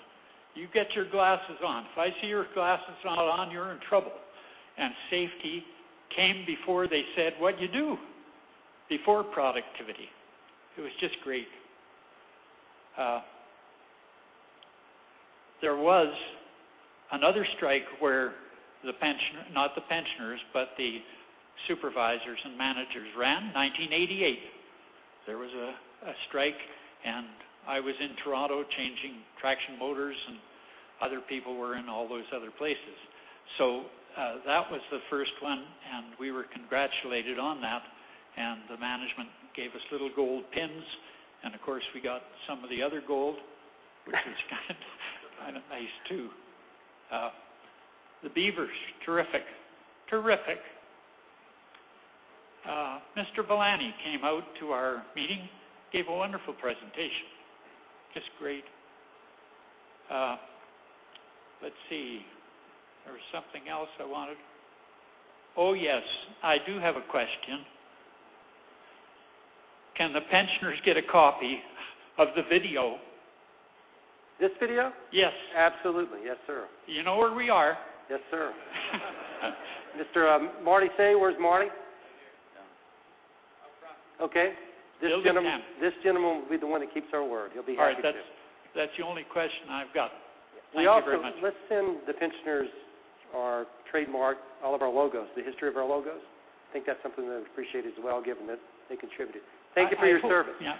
You get your glasses on. If I see your glasses not on, you're in trouble." And safety came before they said, "What you do?" Before productivity. It was just great. There was another strike where the pension... not the pensioners, but the supervisors and managers ran. 1988, there was a strike, and I was in Toronto changing traction motors, and other people were in all those other places. So, that was the first one, and we were congratulated on that, and the management gave us little gold pins, and of course, we got some of the other gold, which was kind of, kind of nice, too. The Beavers, terrific. Terrific! Let's see. There was something else I wanted. Oh, yes, I do have a question. Can the pensioners get a copy of the video? This video? Yes. Absolutely. Yes, sir. You know where we are. Yes, sir. Mr. Marty Cej, where's Marty? Right here. Okay. He'll get them. This gentleman will be the one that keeps our word. He'll be happy to. All right, that's, that's the only question I've got. Thank you very much. We also, let's send the pensioners our trademark, all of our logos, the history of our logos. I think that's something they'll appreciate as well, given that they contributed. Thank you for your service. Yeah.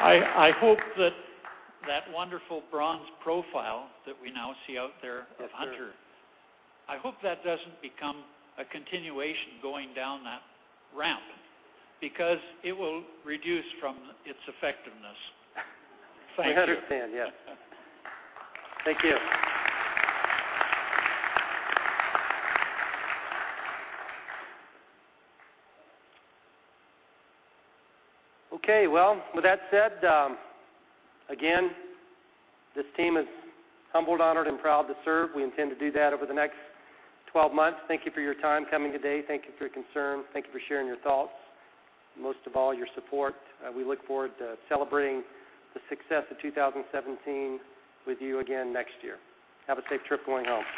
I hope that that wonderful bronze profile that we now see out there- Yes, sir. of Hunter, I hope that doesn't become a continuation going down that ramp, because it will reduce from its effectiveness. Thank you. I understand, yes. Thank you. Okay, well, with that said, again, this team is humbled, honored, and proud to serve. We intend to do that over the next 12 months. Thank you for your time coming today. Thank you for your concern. Thank you for sharing your thoughts, and most of all, your support. We look forward to celebrating the success of 2017 with you again next year. Have a safe trip going home.